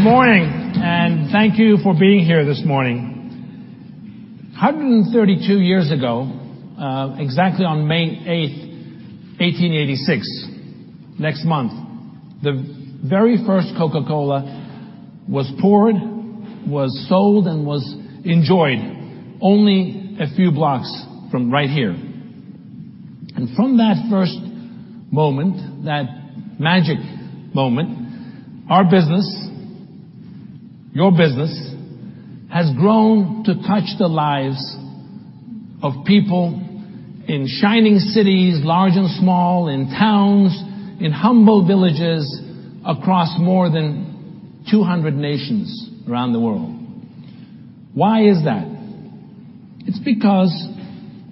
Good morning, thank you for being here this morning. 132 years ago, exactly on May 8th, 1886, next month, the very first Coca-Cola was poured, was sold, and was enjoyed only a few blocks from right here. From that first moment, that magic moment, our business, your business, has grown to touch the lives of people in shining cities, large and small, in towns, in humble villages, across more than 200 nations around the world. Why is that? It's because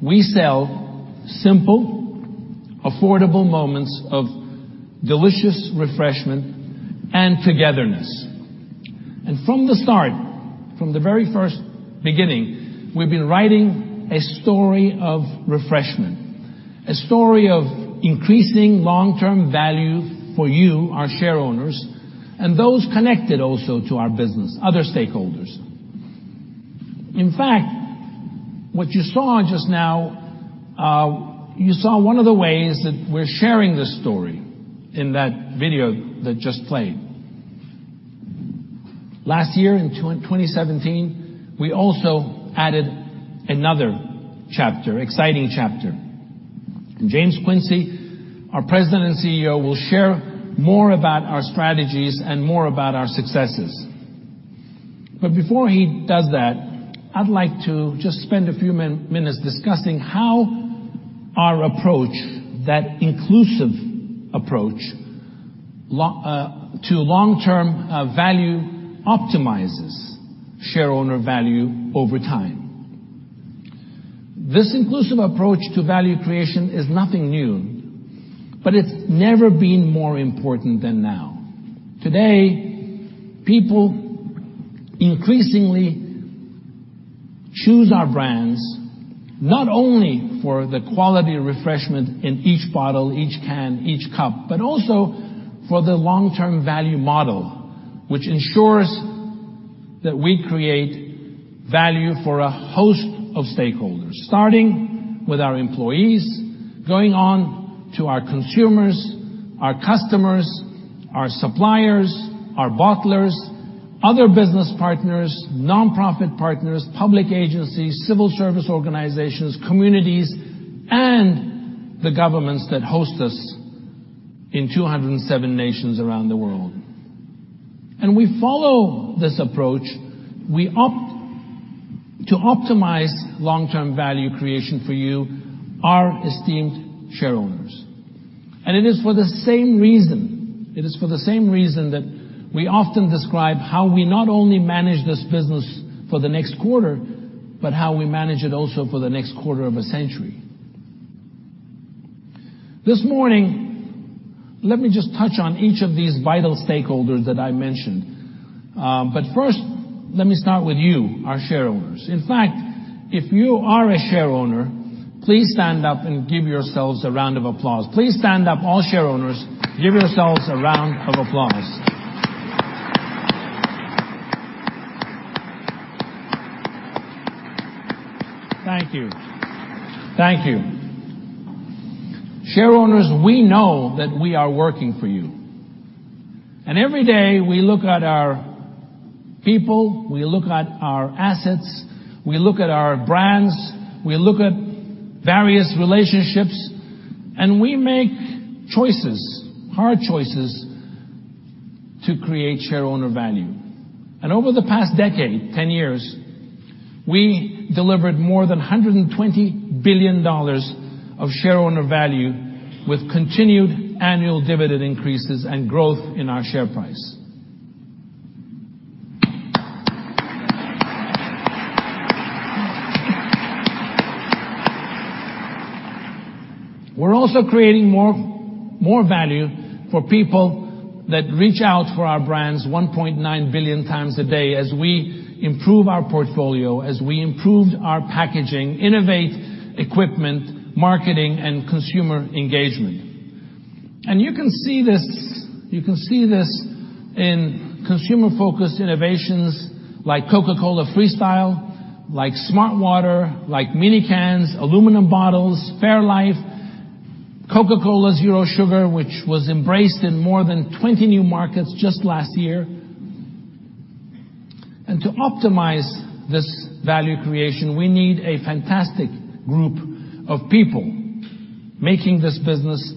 we sell simple, affordable moments of delicious refreshment and togetherness. From the start, from the very first beginning, we've been writing a story of refreshment, a story of increasing long-term value for you, our shareowners, and those connected also to our business, other stakeholders. In fact, what you saw just now, you saw one of the ways that we're sharing this story in that video that just played. Last year, in 2017, we also added another chapter, exciting chapter. James Quincey, our President and CEO, will share more about our strategies and more about our successes. Before he does that, I'd like to just spend a few minutes discussing how our approach, that inclusive approach, to long-term value optimizes shareowner value over time. This inclusive approach to value creation is nothing new, but it's never been more important than now. Today, people increasingly choose our brands not only for the quality of refreshment in each bottle, each can, each cup, but also for the long-term value model, which ensures that we create value for a host of stakeholders. Starting with our employees, going on to our consumers, our customers, our suppliers, our bottlers, other business partners, nonprofit partners, public agencies, civil service organizations, communities, and the governments that host us in 207 nations around the world. We follow this approach to optimize long-term value creation for you, our esteemed shareowners. It is for the same reason that we often describe how we not only manage this business for the next quarter, but how we manage it also for the next quarter of a century. This morning, let me just touch on each of these vital stakeholders that I mentioned. First, let me start with you, our shareowners. In fact, if you are a shareowner, please stand up and give yourselves a round of applause. Please stand up, all shareowners. Give yourselves a round of applause. Thank you. Shareowners, we know that we are working for you. Every day, we look at our people, we look at our assets, we look at our brands, we look at various relationships, and we make choices, hard choices, to create shareowner value. Over the past decade, 10 years, we delivered more than $120 billion of shareowner value with continued annual dividend increases and growth in our share price. We're also creating more value for people that reach out for our brands 1.9 billion times a day as we improve our portfolio, as we improved our packaging, innovate equipment, marketing, and consumer engagement. You can see this in consumer-focused innovations like Coca-Cola Freestyle, like smartwater, like mini cans, aluminum bottles, fairlife, Coca-Cola Zero Sugar, which was embraced in more than 20 new markets just last year. To optimize this value creation, we need a fantastic group of people making this business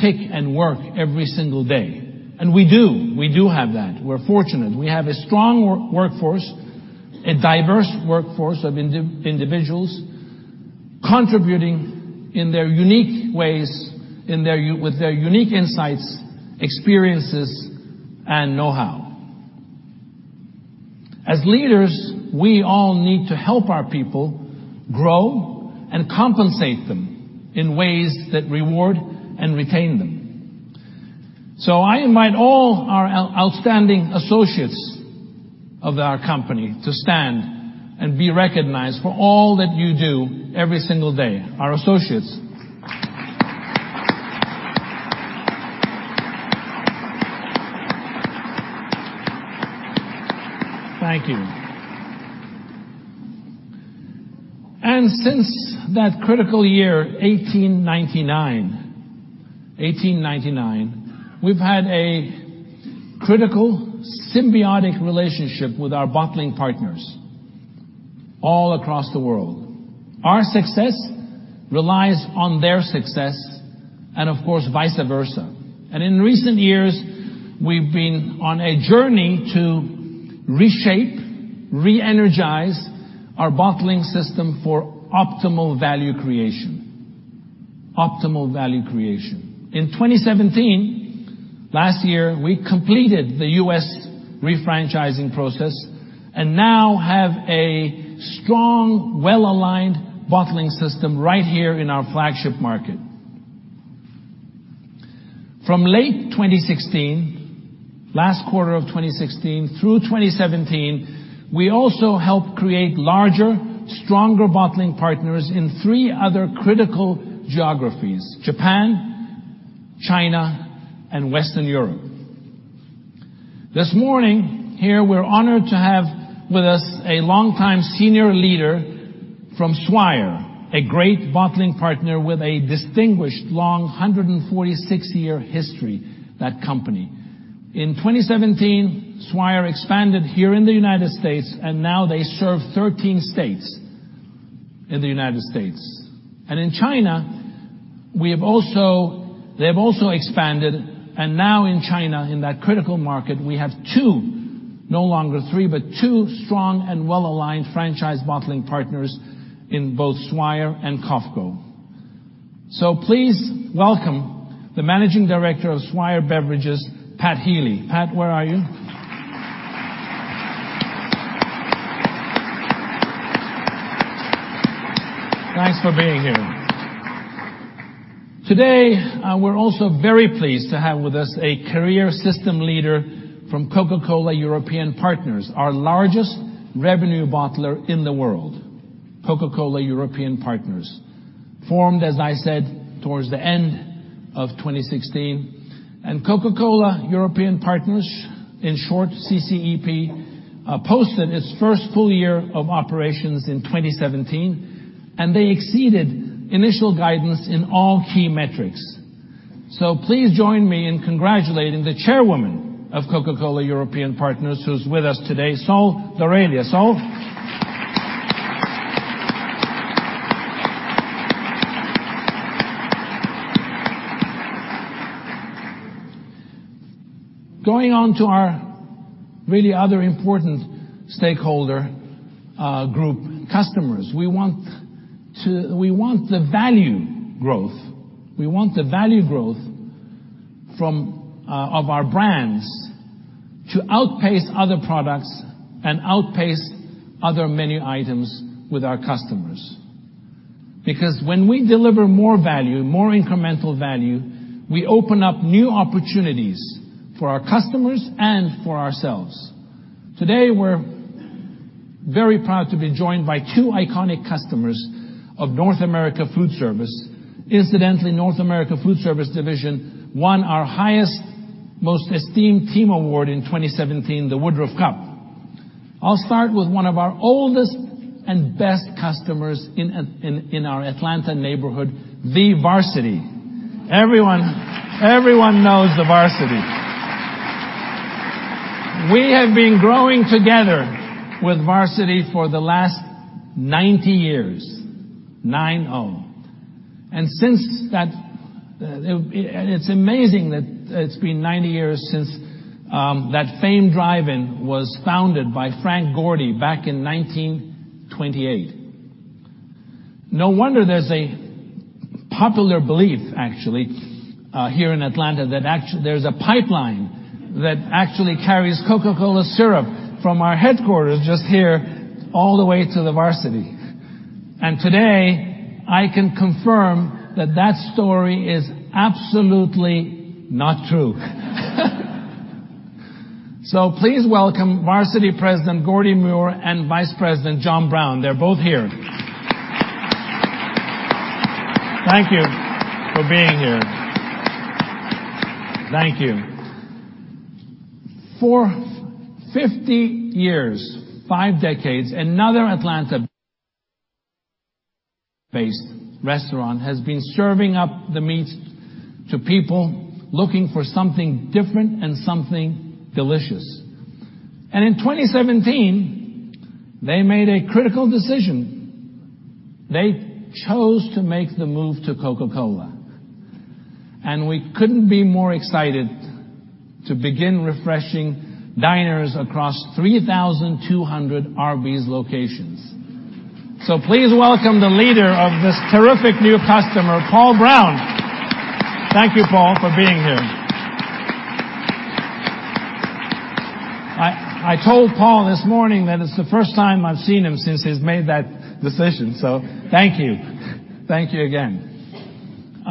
tick and work every single day. We do. We do have that. We're fortunate. We have a strong workforce, a diverse workforce of individuals contributing in their unique ways, with their unique insights, experiences, and know-how. As leaders, we all need to help our people grow and compensate them in ways that reward and retain them. I invite all our outstanding associates of our company to stand and be recognized for all that you do every single day, our associates. Thank you. Since that critical year, 1899, we've had a critical, symbiotic relationship with our bottling partners all across the world. Our success relies on their success and of course, vice versa. In recent years, we've been on a journey to reshape, re-energize our bottling system for optimal value creation. In 2017, last year, we completed the U.S. refranchising process and now have a strong, well-aligned bottling system right here in our flagship market. From late 2016, last quarter of 2016 through 2017, we also helped create larger, stronger bottling partners in three other critical geographies, Japan, China, and Western Europe. This morning, here, we're honored to have with us a longtime senior leader from Swire, a great bottling partner with a distinguished, long, 146-year history, that company. In 2017, Swire expanded here in the United States, and now they serve 13 states in the United States. In China, they have also expanded, and now in China, in that critical market, we have two, no longer three, but two strong and well-aligned franchise bottling partners in both Swire and COFCO. Please welcome the managing director of Swire Beverages, Pat Healy. Pat, where are you? Thanks for being here. Today, we're also very pleased to have with us a career system leader from Coca-Cola European Partners, our largest revenue bottler in the world. Coca-Cola European Partners, formed, as I said, towards the end of 2016. Coca-Cola European Partners, in short, CCEP, posted its first full year of operations in 2017, and they exceeded initial guidance in all key metrics. Please join me in congratulating the Chairwoman of Coca-Cola European Partners, who's with us today, Sol Daurella. Sol? Going on to our really other important stakeholder group, customers. We want the value growth of our brands to outpace other products and outpace other menu items with our customers. Because when we deliver more value, more incremental value, we open up new opportunities for our customers and for ourselves. Today, we're very proud to be joined by two iconic customers of North America Foodservice. Incidentally, North America Foodservice division won our highest, most esteemed team award in 2017, the Woodruff Cup. I'll start with one of our oldest and best customers in our Atlanta neighborhood, The Varsity. Everyone knows The Varsity. We have been growing together with Varsity for the last 90 years, nine-O. It's amazing that it's been 90 years since that famed drive-in was founded by Frank Gordy back in 1928. No wonder there's a popular belief, actually, here in Atlanta, that there's a pipeline that actually carries Coca-Cola syrup from our headquarters just here all the way to The Varsity. Today, I can confirm that story is absolutely not true. Please welcome Varsity President Gordy Muir and Vice President John Browne. They're both here. Thank you for being here. Thank you. For 50 years, five decades, another Atlanta-based restaurant has been serving up the meats to people looking for something different and something delicious. In 2017, they made a critical decision. They chose to make the move to Coca-Cola. We couldn't be more excited to begin refreshing diners across 3,200 Arby's locations. Please welcome the leader of this terrific new customer, Paul Brown. Thank you, Paul, for being here. I told Paul this morning that it's the first time I've seen him since he's made that decision, so thank you. Thank you again.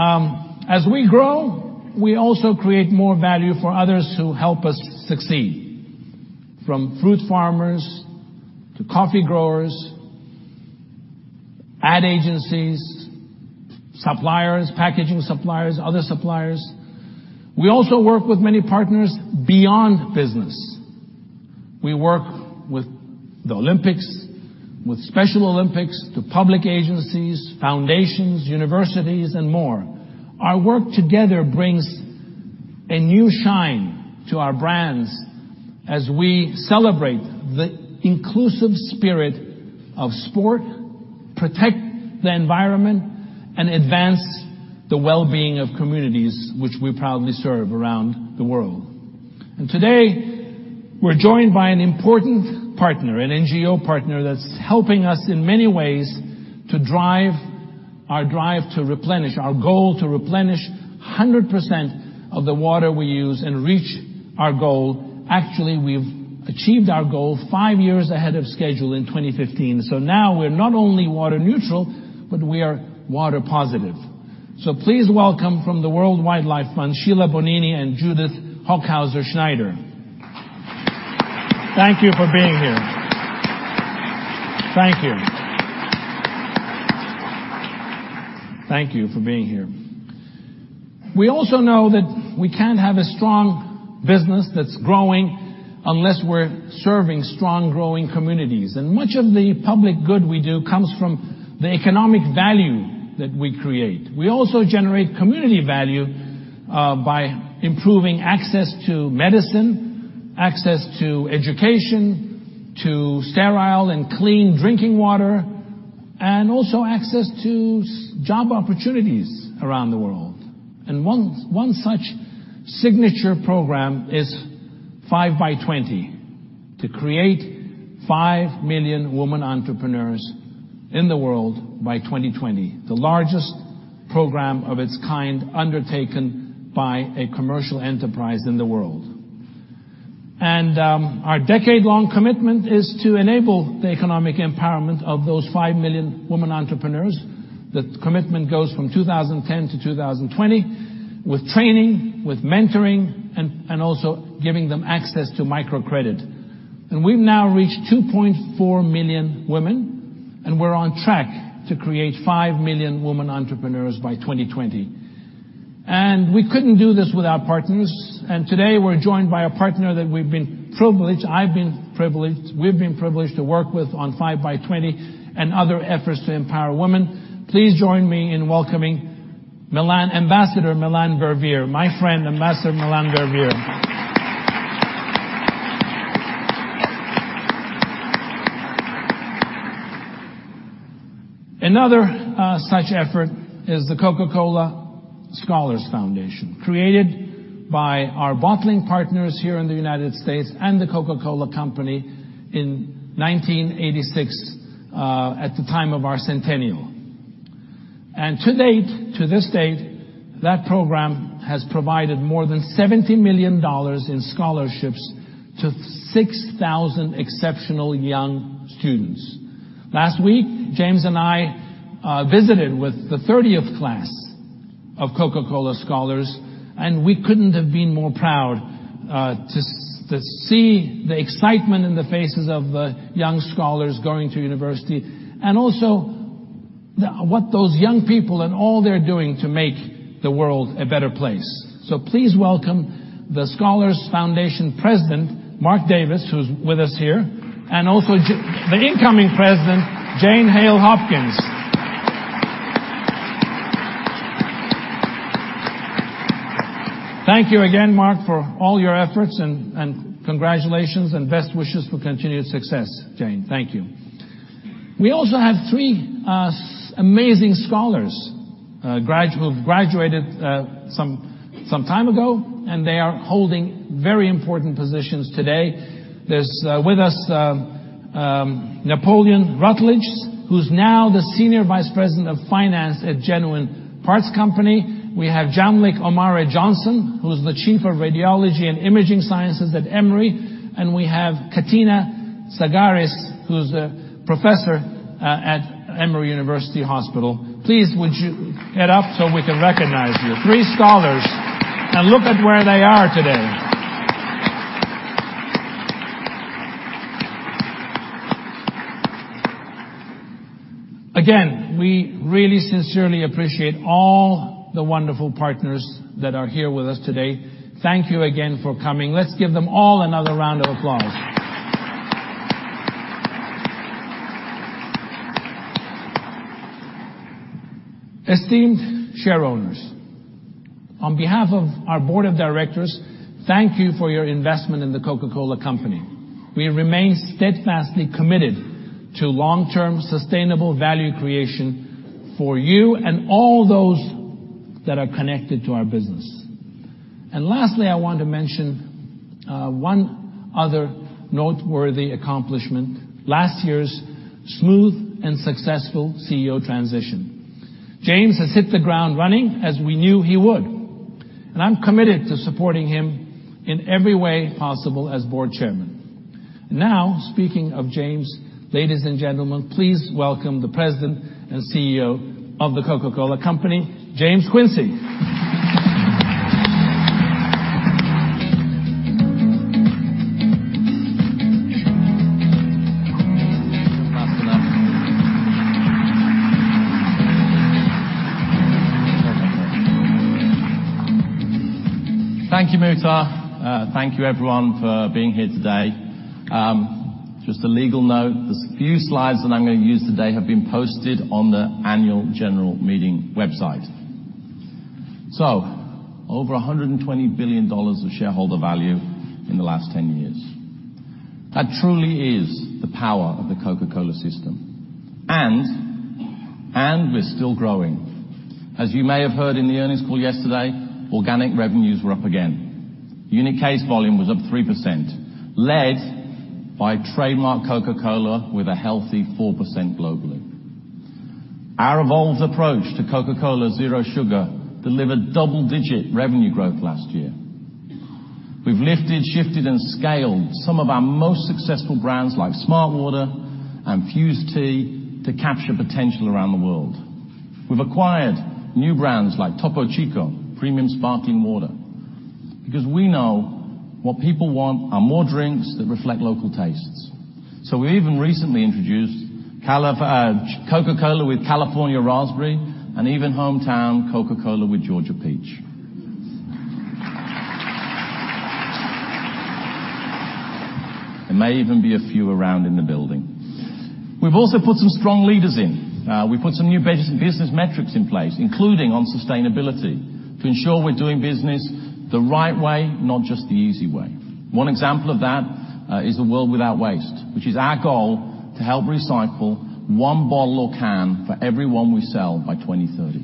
As we grow, we also create more value for others who help us succeed. From fruit farmers to coffee growers, ad agencies, suppliers, packaging suppliers, other suppliers. We also work with many partners beyond business. We work with the Olympics, with Special Olympics, the public agencies, foundations, universities, and more. Our work together brings a new shine to our brands as we celebrate the inclusive spirit of sport, protect the environment, and advance the well-being of communities which we proudly serve around the world. Today, we're joined by an important partner, an NGO partner that's helping us in many ways to drive our drive to replenish, our goal to replenish 100% of the water we use and reach our goal. Actually, we've achieved our goal five years ahead of schedule in 2015. Now we're not only water neutral, but we are water positive. Please welcome from the World Wildlife Fund, Sheila Bonini and Judith Hochhauser Schneider. Thank you for being here. Thank you. Thank you for being here. We also know that we can't have a strong business that's growing unless we're serving strong, growing communities. Much of the public good we do comes from the economic value that we create. We also generate community value by improving access to medicine, access to education, to sterile and clean drinking water, and also access to job opportunities around the world. One such signature program is 5by20: to create five million women entrepreneurs in the world by 2020. The largest program of its kind undertaken by a commercial enterprise in the world. Our decade-long commitment is to enable the economic empowerment of those five million women entrepreneurs. The commitment goes from 2010 to 2020, with training, with mentoring, and also giving them access to microcredit. We've now reached 2.4 million women, and we're on track to create five million women entrepreneurs by 2020. We couldn't do this without partners. Today, we're joined by a partner that we've been privileged, I've been privileged, we've been privileged to work with on 5by20 and other efforts to empower women. Please join me in welcoming Ambassador Melanne Verveer. My friend, Ambassador Melanne Verveer. Another such effort is the Coca-Cola Scholars Foundation, created by our bottling partners here in the U.S. and The Coca-Cola Company in 1986, at the time of our centennial. To date, to this date, that program has provided more than $70 million in scholarships to 6,000 exceptional young students. Last week, James and I visited with the 30th class of Coca-Cola Scholars, we couldn't have been more proud, to see the excitement in the faces of the young scholars going to university, and also what those young people and all they're doing to make the world a better place. Please welcome the Coca-Cola Scholars Foundation President, Mark Davis, who's with us here, and also the incoming President, Jane Hale Hopkins. Thank you again, Mark, for all your efforts, and congratulations and best wishes for continued success, Jane. Thank you. We also have three amazing scholars, who have graduated some time ago, and they are holding very important positions today. There's, with us, Napoleon Rutledge, who's now the Senior Vice President of Finance at Genuine Parts Company. We have Jamlik-Omari Johnson, who's the Chief of Radiology and Imaging Sciences at Emory University. And we have Katina Tsagaris, who's a Professor at Emory University Hospital. Please, would you get up so we can recognize you? Three scholars, and look at where they are today. We really sincerely appreciate all the wonderful partners that are here with us today. Thank you again for coming. Let's give them all another round of applause. Esteemed shareholders, on behalf of our Board of Directors, thank you for your investment in The Coca-Cola Company. We remain steadfastly committed to long-term, sustainable value creation for you and all those that are connected to our business. Lastly, I want to mention one other noteworthy accomplishment, last year's smooth and successful CEO transition. James has hit the ground running, as we knew he would, and I'm committed to supporting him in every way possible as Board Chairman. Speaking of James, ladies and gentlemen, please welcome the President and CEO of The Coca-Cola Company, James Quincey. Thank you, Muhtar. Thank you, everyone, for being here today. Just a legal note, the few slides that I'm going to use today have been posted on the annual general meeting website. Over $120 billion of shareholder value in the last 10 years. That truly is the power of The Coca-Cola system, and we're still growing. As you may have heard in the earnings call yesterday, organic revenues were up again. Unit case volume was up 3%, led by trademark Coca-Cola with a healthy 4% globally. Our evolved approach to Coca-Cola Zero Sugar delivered double-digit revenue growth last year. We've lifted, shifted, and scaled some of our most successful brands, like smartwater and Fuze Tea, to capture potential around the world. We've acquired new brands like Topo Chico Sparkling Mineral Water, because we know what people want are more drinks that reflect local tastes. We even recently introduced Coca-Cola California Raspberry and even Coca-Cola Georgia Peach. There may even be a few around in the building. We've also put some strong leaders in. We've put some new business metrics in place, including on sustainability, to ensure we're doing business the right way, not just the easy way. One example of that is a World Without Waste, which is our goal to help recycle one bottle or can for every one we sell by 2030.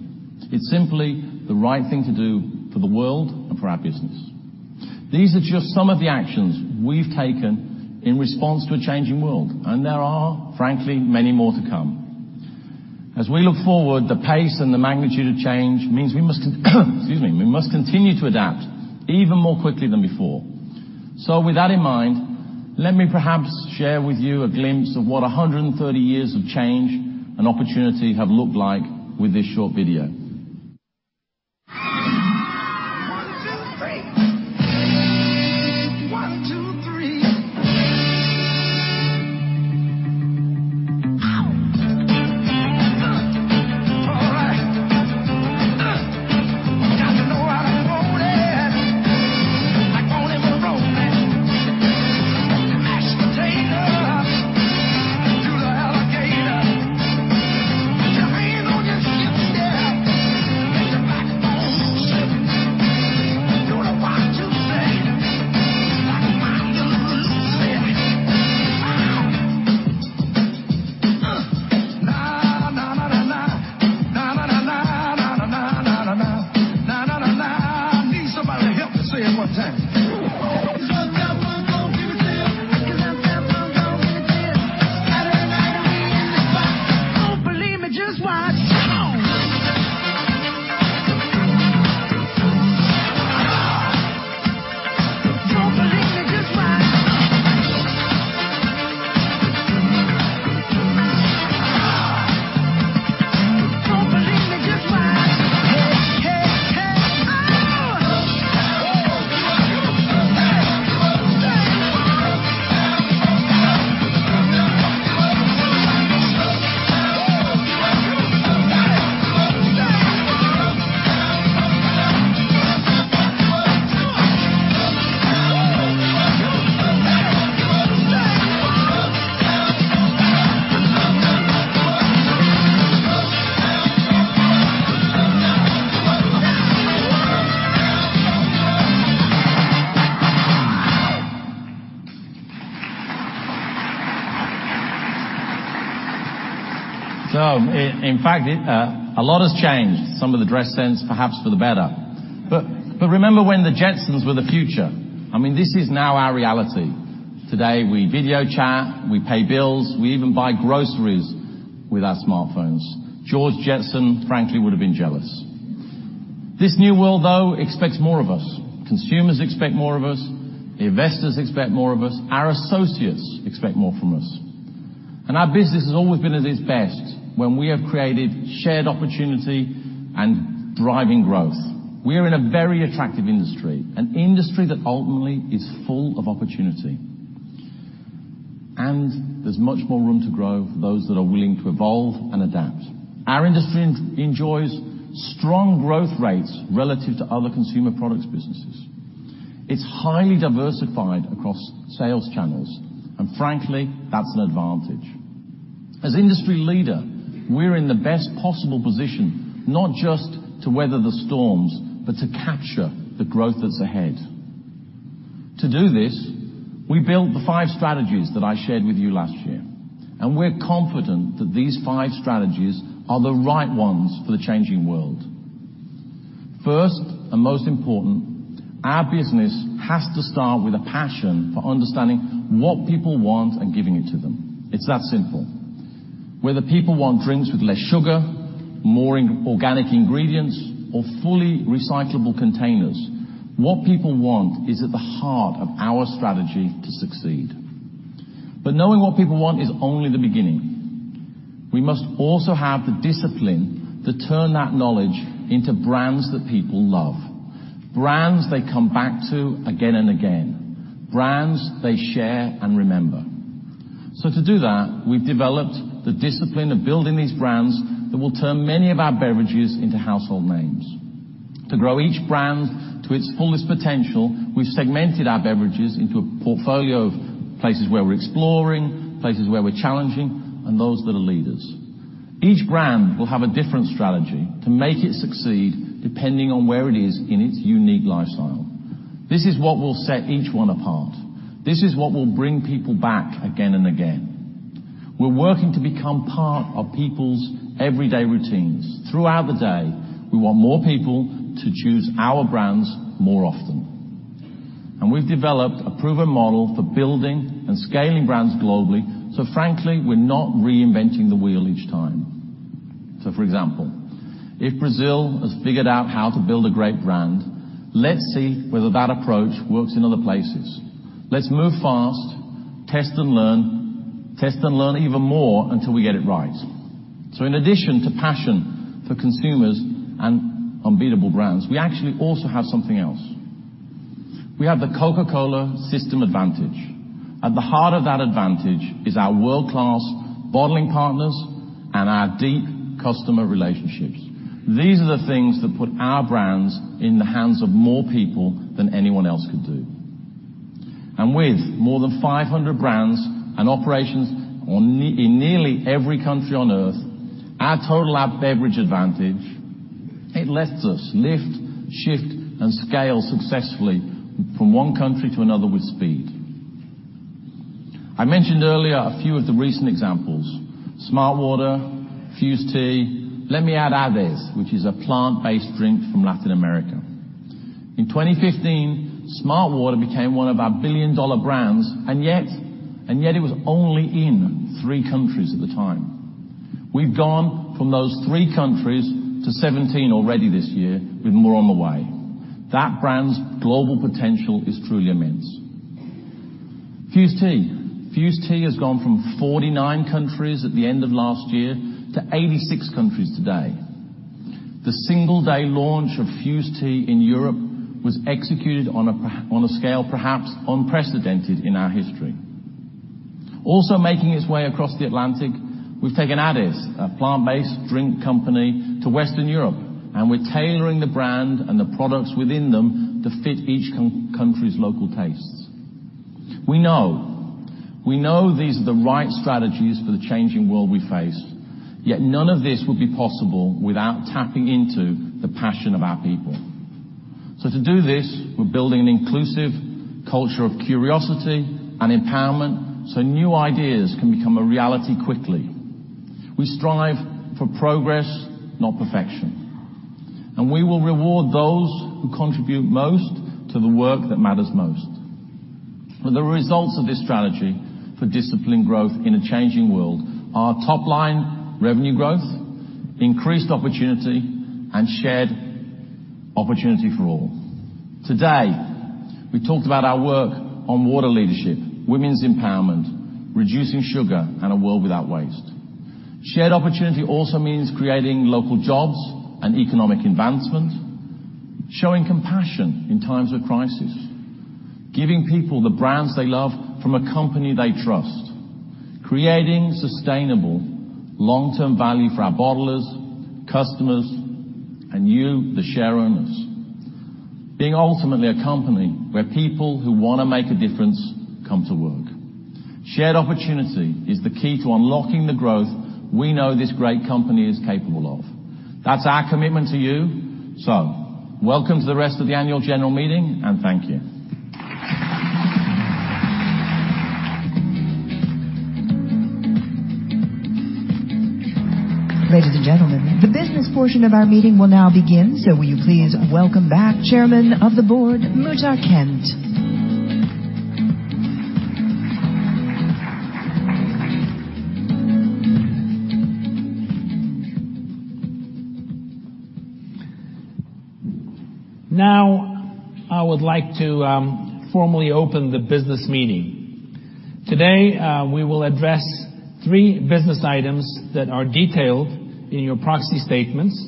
It's simply the right thing to do for the world and for our business. These are just some of the actions we've taken in response to a changing world, there are, frankly, many more to come. We look forward, the pace and the magnitude of change means we must continue to adapt even more quickly than before. With that in mind, let me perhaps share with you a glimpse of what 130 years of change and opportunity have looked like with this short video. when we have created shared opportunity and driving growth. We are in a very attractive industry, an industry that ultimately is full of opportunity. There's much more room to grow for those that are willing to evolve and adapt. Our industry enjoys strong growth rates relative to other consumer products businesses. It's highly diversified across sales channels, frankly, that's an advantage. As industry leader, we're in the best possible position, not just to weather the storms, but to capture the growth that's ahead. To do this, we built the five strategies that I shared with you last year, we're confident that these five strategies are the right ones for the changing world. First, most important, our business has to start with a passion for understanding what people want and giving it to them. It's that simple. Whether people want drinks with less sugar, more organic ingredients, or fully recyclable containers, what people want is at the heart of our strategy to succeed. Knowing what people want is only the beginning. We must also have the discipline to turn that knowledge into brands that people love, brands they come back to again and again, brands they share and remember. To do that, we've developed the discipline of building these brands that will turn many of our beverages into household names. To grow each brand to its fullest potential, we've segmented our beverages into a portfolio of places where we're exploring, places where we're challenging, and those that are leaders. Each brand will have a different strategy to make it succeed depending on where it is in its unique lifestyle. This is what will set each one apart. This is what will bring people back again and again. We're working to become part of people's everyday routines. Throughout the day, we want more people to choose our brands more often. We've developed a proven model for building and scaling brands globally, frankly, we're not reinventing the wheel each time. For example, if Brazil has figured out how to build a great brand, let's see whether that approach works in other places. Let's move fast, test and learn, test and learn even more until we get it right. In addition to passion for consumers and unbeatable brands, we actually also have something else. We have The Coca-Cola System advantage. At the heart of that advantage is our world-class bottling partners and our deep customer relationships. These are the things that put our brands in the hands of more people than anyone else could do. With more than 500 brands and operations in nearly every country on Earth, our total beverage advantage, it lets us lift, shift, and scale successfully from one country to another with speed. I mentioned earlier a few of the recent examples, smartwater, Fuze Tea. Let me add AdeS, which is a plant-based drink from Latin America. In 2015, smartwater became one of our billion-dollar brands, and yet it was only in three countries at the time. We've gone from those three countries to 17 already this year, with more on the way. That brand's global potential is truly immense. Fuze Tea. Fuze Tea has gone from 49 countries at the end of last year to 86 countries today. The single-day launch of Fuze Tea in Europe was executed on a scale perhaps unprecedented in our history. Also making its way across the Atlantic, we've taken AdeS, a plant-based drink company, to Western Europe, and we're tailoring the brand and the products within them to fit each country's local tastes. We know these are the right strategies for the changing world we face, yet none of this would be possible without tapping into the passion of our people. To do this, we're building an inclusive culture of curiosity and empowerment, so new ideas can become a reality quickly. We strive for progress, not perfection. We will reward those who contribute most to the work that matters most. The results of this strategy for disciplined growth in a changing world are top-line revenue growth, increased opportunity, and shared opportunity for all. Today, we talked about our work on water leadership, women's empowerment, reducing sugar, and a World Without Waste. Shared opportunity also means creating local jobs and economic advancement, showing compassion in times of crisis, giving people the brands they love from a company they trust, creating sustainable long-term value for our bottlers, customers, and you, the shareowners. Being ultimately a company where people who want to make a difference come to work. Shared opportunity is the key to unlocking the growth we know this great company is capable of. That's our commitment to you. Welcome to the rest of the annual general meeting, and thank you. Ladies and gentlemen, the business portion of our meeting will now begin. Will you please welcome back Chairman of the Board, Muhtar Kent. I would like to formally open the business meeting. Today, we will address three business items that are detailed in your proxy statements.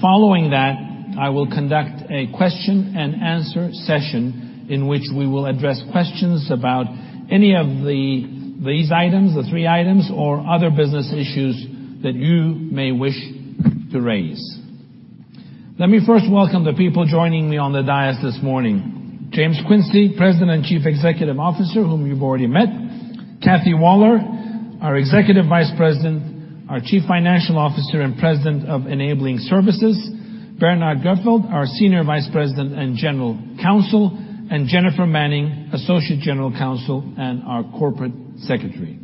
Following that, I will conduct a question-and-answer session in which we will address questions about any of these items, the three items, or other business issues that you may wish to raise. Let me first welcome the people joining me on the dais this morning. James Quincey, President and Chief Executive Officer, whom you've already met. Kathy Waller, our Executive Vice President, Chief Financial Officer, and President of Enabling Services. Bernhard Goepelt, our Senior Vice President and General Counsel, and Jennifer Manning, Associate General Counsel and Corporate Secretary.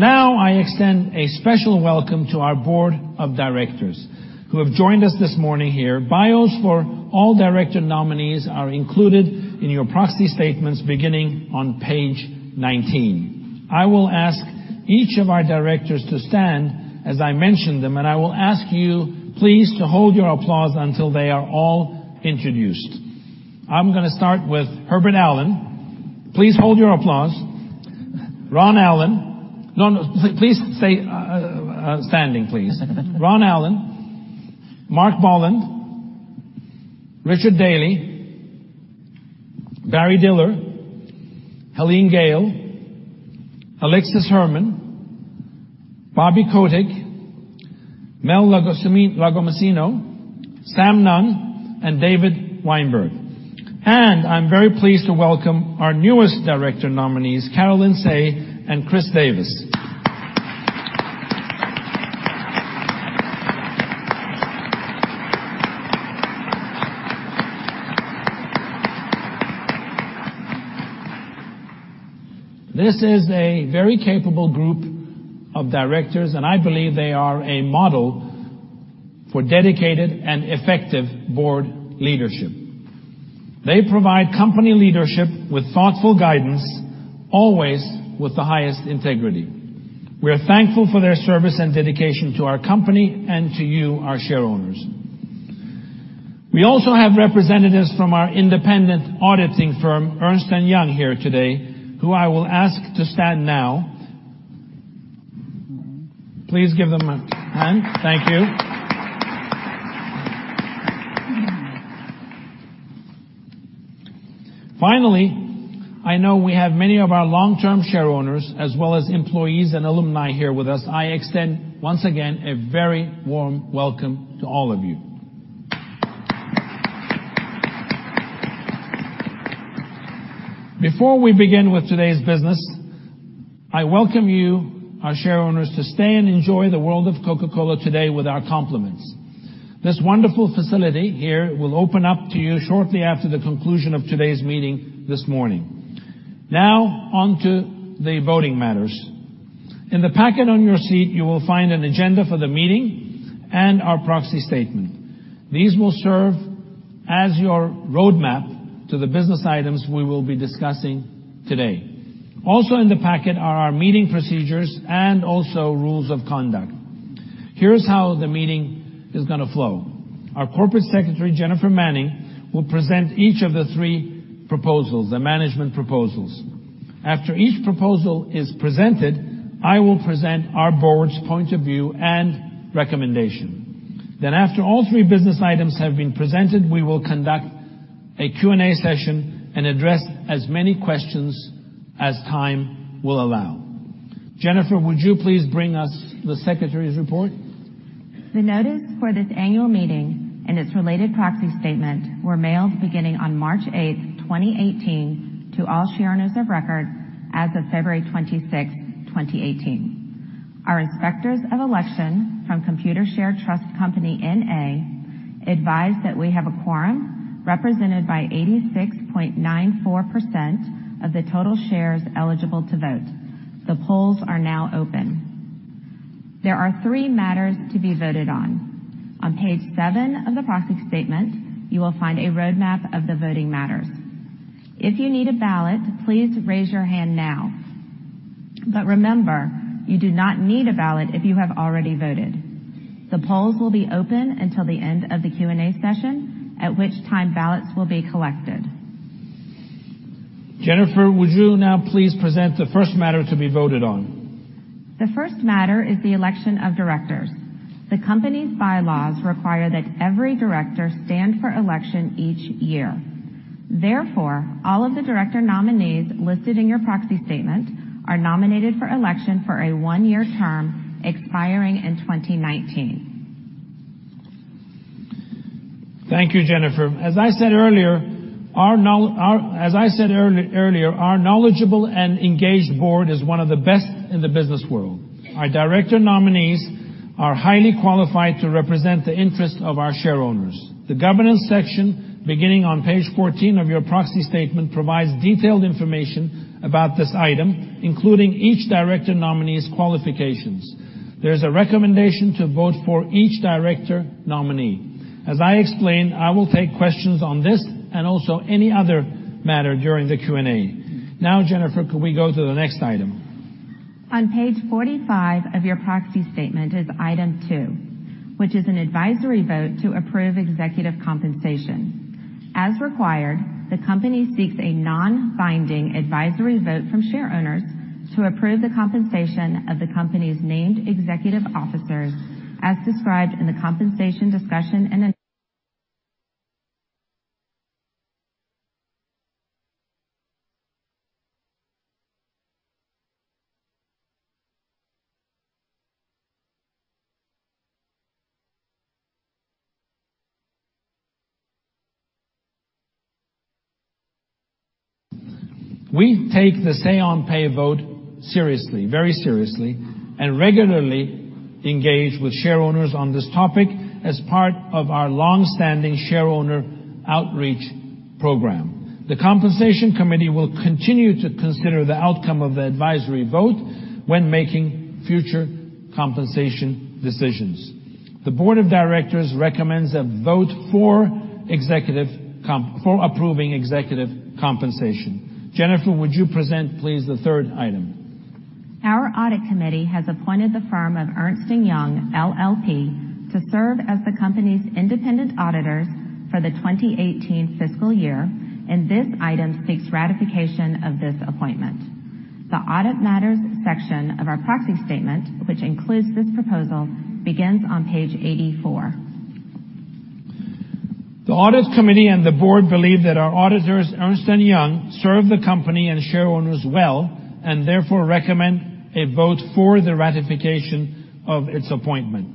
I extend a special welcome to our board of directors who have joined us this morning here. Bios for all director nominees are included in your proxy statements beginning on page 19. I will ask each of our directors to stand as I mention them. I will ask you please to hold your applause until they are all introduced. I'm going to start with Herbert Allen. Please hold your applause. Ron Allen. No, no. Standing, please. Ron Allen, Marc Bolland, Richard Daley, Barry Diller, Helene Gayle, Alexis Herman, Bobby Kotick, Mel Lagomasino, Sam Nunn, and David Weinberg. I'm very pleased to welcome our newest director nominees, Caroline Tsay and Chris Davis. This is a very capable group of directors, and I believe they are a model for dedicated and effective board leadership. They provide company leadership with thoughtful guidance, always with the highest integrity. We're thankful for their service and dedication to our company and to you, our shareowners. We also have representatives from our independent auditing firm, Ernst & Young, here today, who I will ask to stand now. Please give them a hand. Thank you. Finally, I know we have many of our long-term shareowners, as well as employees and alumni here with us. I extend, once again, a very warm welcome to all of you. Before we begin with today's business, I welcome you, our shareowners, to stay and enjoy the World of Coca-Cola today with our compliments. This wonderful facility here will open up to you shortly after the conclusion of today's meeting this morning. Onto the voting matters. In the packet on your seat, you will find an agenda for the meeting and our proxy statement. These will serve as your roadmap to the business items we will be discussing today. Also in the packet are our meeting procedures and also rules of conduct. Here's how the meeting is going to flow. Our corporate secretary, Jennifer Manning, will present each of the three proposals, the management proposals. After each proposal is presented, I will present our board's point of view and recommendation. After all three business items have been presented, we will conduct a Q&A session and address as many questions as time will allow. Jennifer, would you please bring us the secretary's report? The notice for this annual meeting and its related proxy statement were mailed beginning on March 8th, 2018, to all shareowners of record as of February 26th, 2018. Our inspectors of election from Computershare Trust Company N.A. advise that we have a quorum represented by 86.94% of the total shares eligible to vote. The polls are now open. There are three matters to be voted on. On page seven of the proxy statement, you will find a roadmap of the voting matters. If you need a ballot, please raise your hand now. Remember, you do not need a ballot if you have already voted. The polls will be open until the end of the Q&A session, at which time ballots will be collected. Jennifer, would you now please present the first matter to be voted on? The first matter is the election of directors. The company's bylaws require that every director stand for election each year. Therefore, all of the director nominees listed in your proxy statement are nominated for election for a one-year term expiring in 2019. Thank you, Jennifer. As I said earlier, our knowledgeable and engaged board is one of the best in the business world. Our director nominees are highly qualified to represent the interest of our shareowners. The governance section, beginning on page 14 of your proxy statement, provides detailed information about this item, including each director nominee's qualifications. There's a recommendation to vote for each director nominee. As I explained, I will take questions on this and also any other matter during the Q&A. Jennifer, could we go to the next item? On page 45 of your proxy statement is item 2, which is an advisory vote to approve executive compensation. As required, the company seeks a non-binding advisory vote from shareowners to approve the compensation of the company's named executive officers as described in the compensation discussion and. We take the Say on Pay vote seriously, very seriously, and regularly engage with shareowners on this topic as part of our long-standing shareowner outreach program. The compensation committee will continue to consider the outcome of the advisory vote when making future compensation decisions. The board of directors recommends a vote for approving executive compensation. Jennifer, would you present please the third item? Our audit committee has appointed the firm of Ernst & Young LLP to serve as the company's independent auditors for the 2018 fiscal year, and this item seeks ratification of this appointment. The audit matters section of our proxy statement, which includes this proposal, begins on page 84. The audit committee and the board believe that our auditors, Ernst & Young, serve the company and shareowners well, therefore recommend a vote for the ratification of its appointment.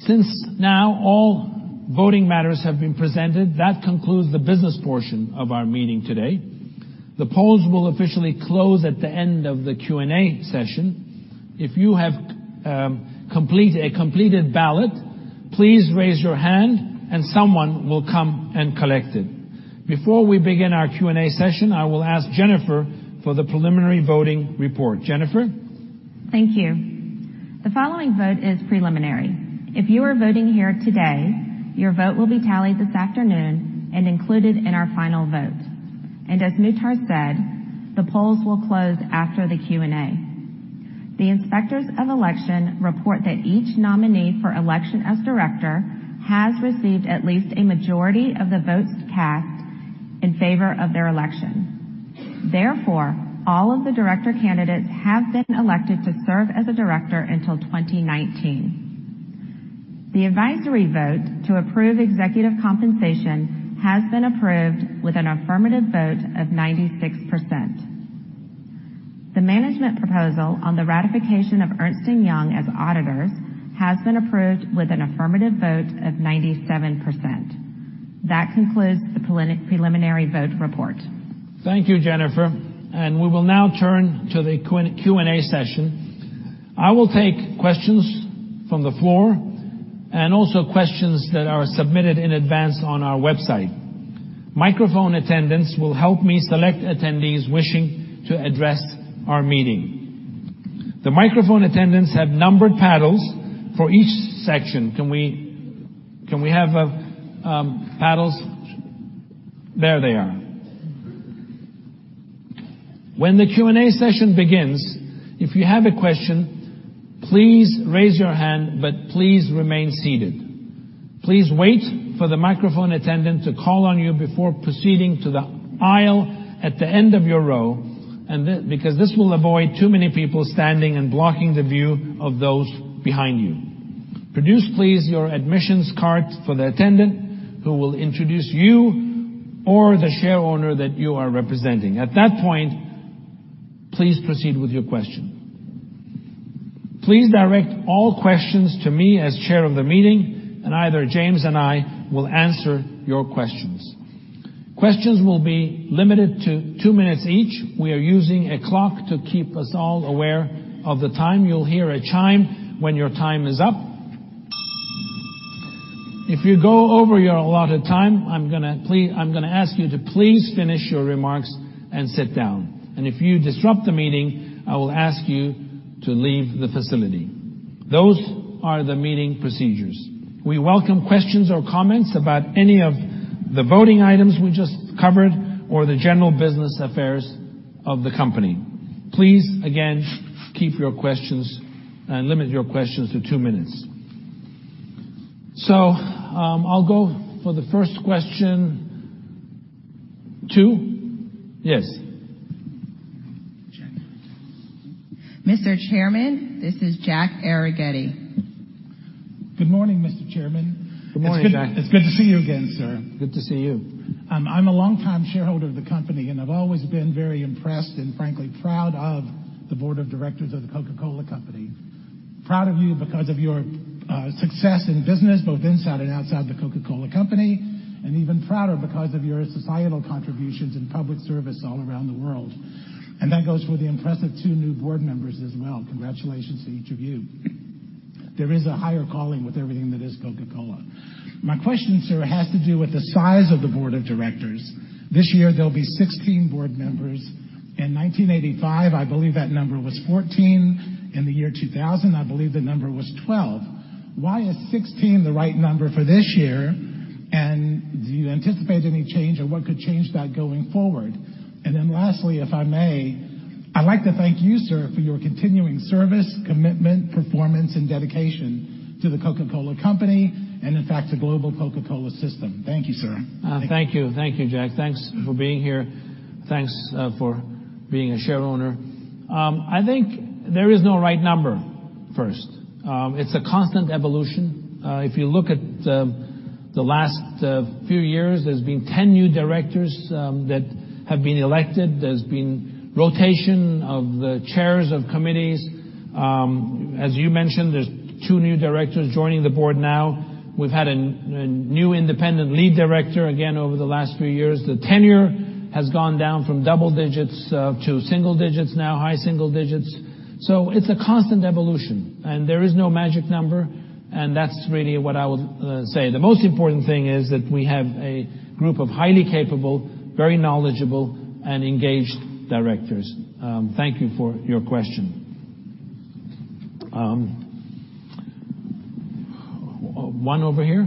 Since now all voting matters have been presented, that concludes the business portion of our meeting today. The polls will officially close at the end of the Q&A session. If you have a completed ballot, please raise your hand and someone will come and collect it. Before we begin our Q&A session, I will ask Jennifer for the preliminary voting report. Jennifer? Thank you. The following vote is preliminary. If you are voting here today, your vote will be tallied this afternoon and included in our final vote. As Muhtar said, the polls will close after the Q&A. The inspectors of election report that each nominee for election as director has received at least a majority of the votes cast in favor of their election. Therefore, all of the director candidates have been elected to serve as a director until 2019. The advisory vote to approve executive compensation has been approved with an affirmative vote of 96%. The management proposal on the ratification of Ernst & Young as auditors has been approved with an affirmative vote of 97%. That concludes the preliminary vote report. Thank you, Jennifer. We will now turn to the Q&A session. I will take questions from the floor and also questions that are submitted in advance on our website. Microphone attendants will help me select attendees wishing to address our meeting. The microphone attendants have numbered paddles for each section. Can we have paddles? There they are. When the Q&A session begins, if you have a question, please raise your hand, but please remain seated. Please wait for the microphone attendant to call on you before proceeding to the aisle at the end of your row, because this will avoid too many people standing and blocking the view of those behind you. Produce, please, your admissions card for the attendant, who will introduce you or the shareowner that you are representing. At that point, please proceed with your question. Please direct all questions to me as chair of the meeting, either James and I will answer your questions. Questions will be limited to two minutes each. We are using a clock to keep us all aware of the time. You will hear a chime when your time is up. If you go over your allotted time, I'm going to ask you to please finish your remarks and sit down. If you disrupt the meeting, I will ask you to leave the facility. Those are the meeting procedures. We welcome questions or comments about any of the voting items we just covered or the general business affairs of the company. Please, again, keep your questions and limit your questions to two minutes. I will go for the first question. Two? Yes. Mr. Chairman, this is Jack Arrighetti. Good morning, Mr. Chairman. Good morning, Jack. It's good to see you again, sir. Good to see you. I'm a longtime shareholder of the company, and I've always been very impressed and frankly proud of the board of directors of The Coca-Cola Company. Proud of you because of your success in business, both inside and outside The Coca-Cola Company, and even prouder because of your societal contributions and public service all around the world. That goes for the impressive two new board members as well. Congratulations to each of you. There is a higher calling with everything that is Coca-Cola. My question, sir, has to do with the size of the board of directors. This year there'll be 16 board members. In 1985, I believe that number was 14. In the year 2000, I believe the number was 12. Why is 16 the right number for this year? Do you anticipate any change, or what could change that going forward? Lastly, if I may, I'd like to thank you, sir, for your continuing service, commitment, performance, and dedication to The Coca-Cola Company and, in fact, the global Coca-Cola system. Thank you, sir. Thank you. Thank you, Jack. Thanks for being here. Thanks for being a share owner. I think there is no right number, first. It's a constant evolution. If you look at the last few years, there's been 10 new directors that have been elected. There's been rotation of the chairs of committees. As you mentioned, there's two new directors joining the board now. We've had a new independent lead director, again, over the last few years. The tenure has gone down from double digits to single digits now, high single digits. It's a constant evolution, and there is no magic number, and that's really what I would say. The most important thing is that we have a group of highly capable, very knowledgeable, and engaged directors. Thank you for your question. One over here.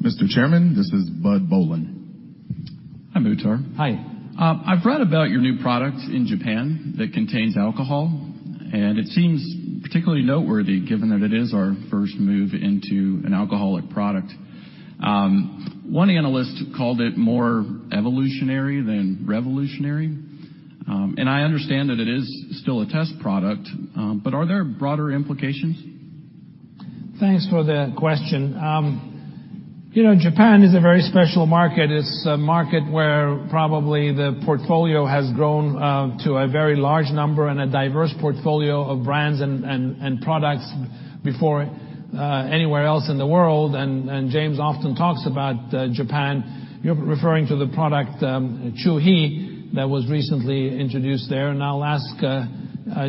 Mr. Chairman, this is Bud Boland. Hi, Muhtar. Hi. I've read about your new product in Japan that contains alcohol, it seems particularly noteworthy given that it is our first move into an alcoholic product. One analyst called it more evolutionary than revolutionary. I understand that it is still a test product, but are there broader implications? Thanks for the question. Japan is a very special market. It's a market where probably the portfolio has grown to a very large number and a diverse portfolio of brands and products before anywhere else in the world. James often talks about Japan. You're referring to the product Chu-Hi that was recently introduced there, I'll ask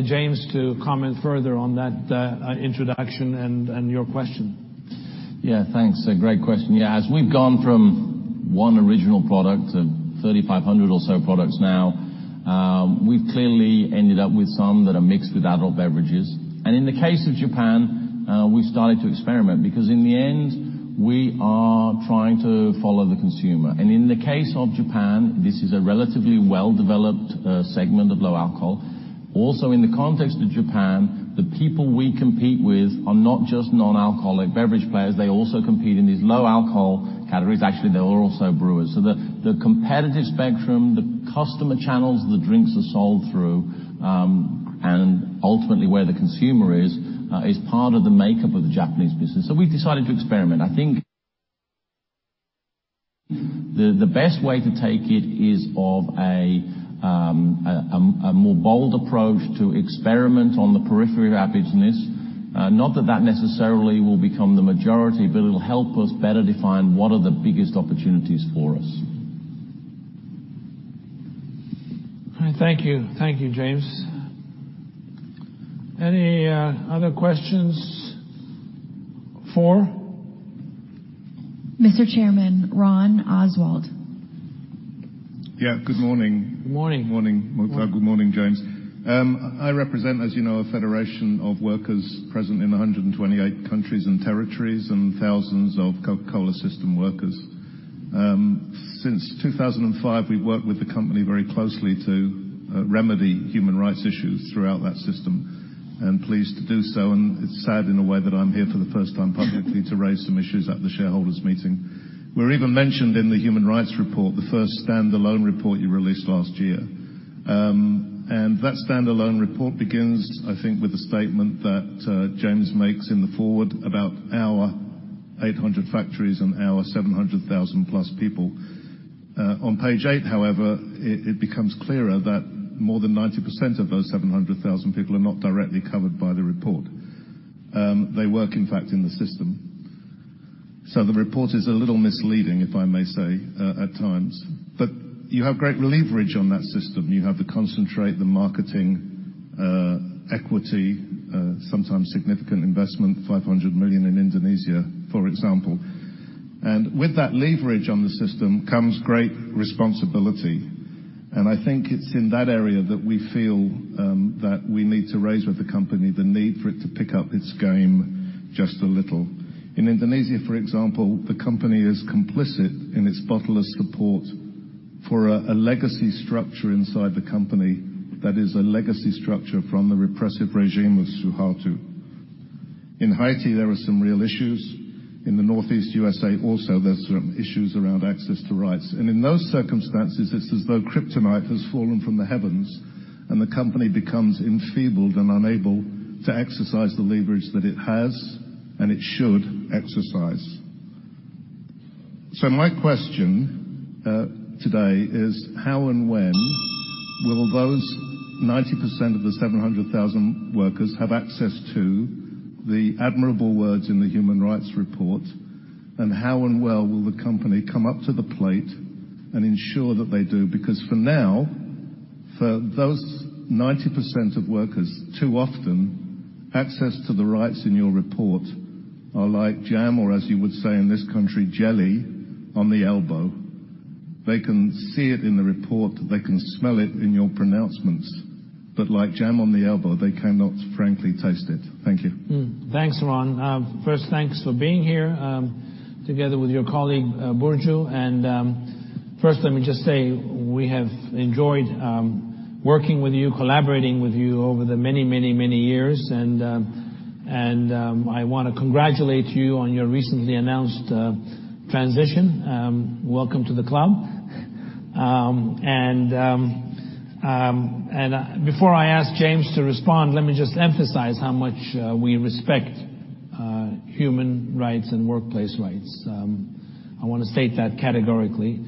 James to comment further on that introduction and your question. Yeah, thanks. A great question. As we've gone from one original product to 3,500 or so products now, we've clearly ended up with some that are mixed with adult beverages. In the case of Japan, we started to experiment, because in the end, we are trying to follow the consumer. In the case of Japan, this is a relatively well-developed segment of low alcohol. Also, in the context of Japan, the people we compete with are not just non-alcoholic beverage players. They also compete in these low-alcohol categories. Actually, they are also brewers. The competitive spectrum, the customer channels the drinks are sold through, and ultimately where the consumer is part of the makeup of the Japanese business. We've decided to experiment. I think the best way to take it is of a more bold approach to experiment on the periphery of our business. Not that that necessarily will become the majority, it'll help us better define what are the biggest opportunities for us. All right. Thank you. Thank you, James. Any other questions? Four. Mr. Chairman, Ron Oswald. Yeah. Good morning. Morning. Morning, Muhtar. Good morning, James. I represent, as you know, a federation of workers present in 128 countries and territories, and thousands of Coca-Cola system workers. Since 2005, we've worked with the company very closely to remedy human rights issues throughout that system. Pleased to do so, it's sad in a way that I'm here for the first time publicly to raise some issues at the shareholders' meeting. We're even mentioned in the Human Rights Report, the first standalone report you released last year. That standalone report begins, I think, with a statement that James makes in the forward about our 800 factories and our 700,000-plus people. On page eight, however, it becomes clearer that more than 90% of those 700,000 people are not directly covered by the report. They work, in fact, in the system. The report is a little misleading, if I may say, at times. You have great leverage on that system. You have the concentrate, the marketing equity, sometimes significant investment, $500 million in Indonesia, for example. With that leverage on the system comes great responsibility. I think it's in that area that we feel that we need to raise with the company the need for it to pick up its game just a little. In Indonesia, for example, the company is complicit in its bottler's support for a legacy structure inside the company that is a legacy structure from the repressive regime of Suharto. In Haiti, there are some real issues. In the Northeast USA also, there's some issues around access to rights. In those circumstances, it's as though kryptonite has fallen from the heavens and the company becomes enfeebled and unable to exercise the leverage that it has and it should exercise. My question today is how and when will those 90% of the 700,000 workers have access to the admirable words in the Human Rights Report, and how and where will the company come up to the plate and ensure that they do? For now, for those 90% of workers, too often, access to the rights in your report are like jam, or as you would say in this country, jelly on the elbow. They can see it in the report. They can smell it in your pronouncements. Like jam on the elbow, they cannot frankly taste it. Thank you. Thanks, Ron. First, thanks for being here, together with your colleague, Burcu. First let me just say, we have enjoyed working with you, collaborating with you over the many, many, many years. I want to congratulate you on your recently announced transition. Welcome to the club. Before I ask James to respond, let me just emphasize how much we respect human rights and workplace rights. I want to state that categorically,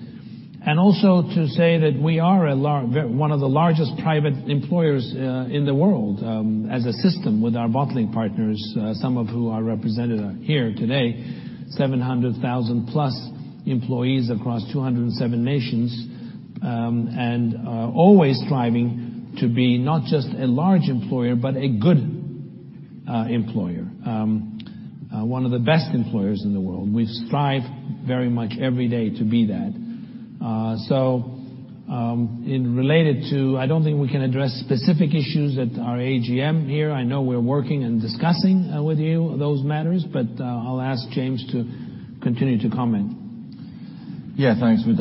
also to say that we are one of the largest private employers in the world, as a system with our bottling partners, some of who are represented here today, 700,000-plus employees across 207 nations, and always striving to be not just a large employer, but a good employer, one of the best employers in the world. We strive very much every day to be that. Related to I don't think we can address specific issues at our AGM here. I know we're working and discussing with you those matters, but I'll ask James to continue to comment. Yeah, thanks, Muhtar.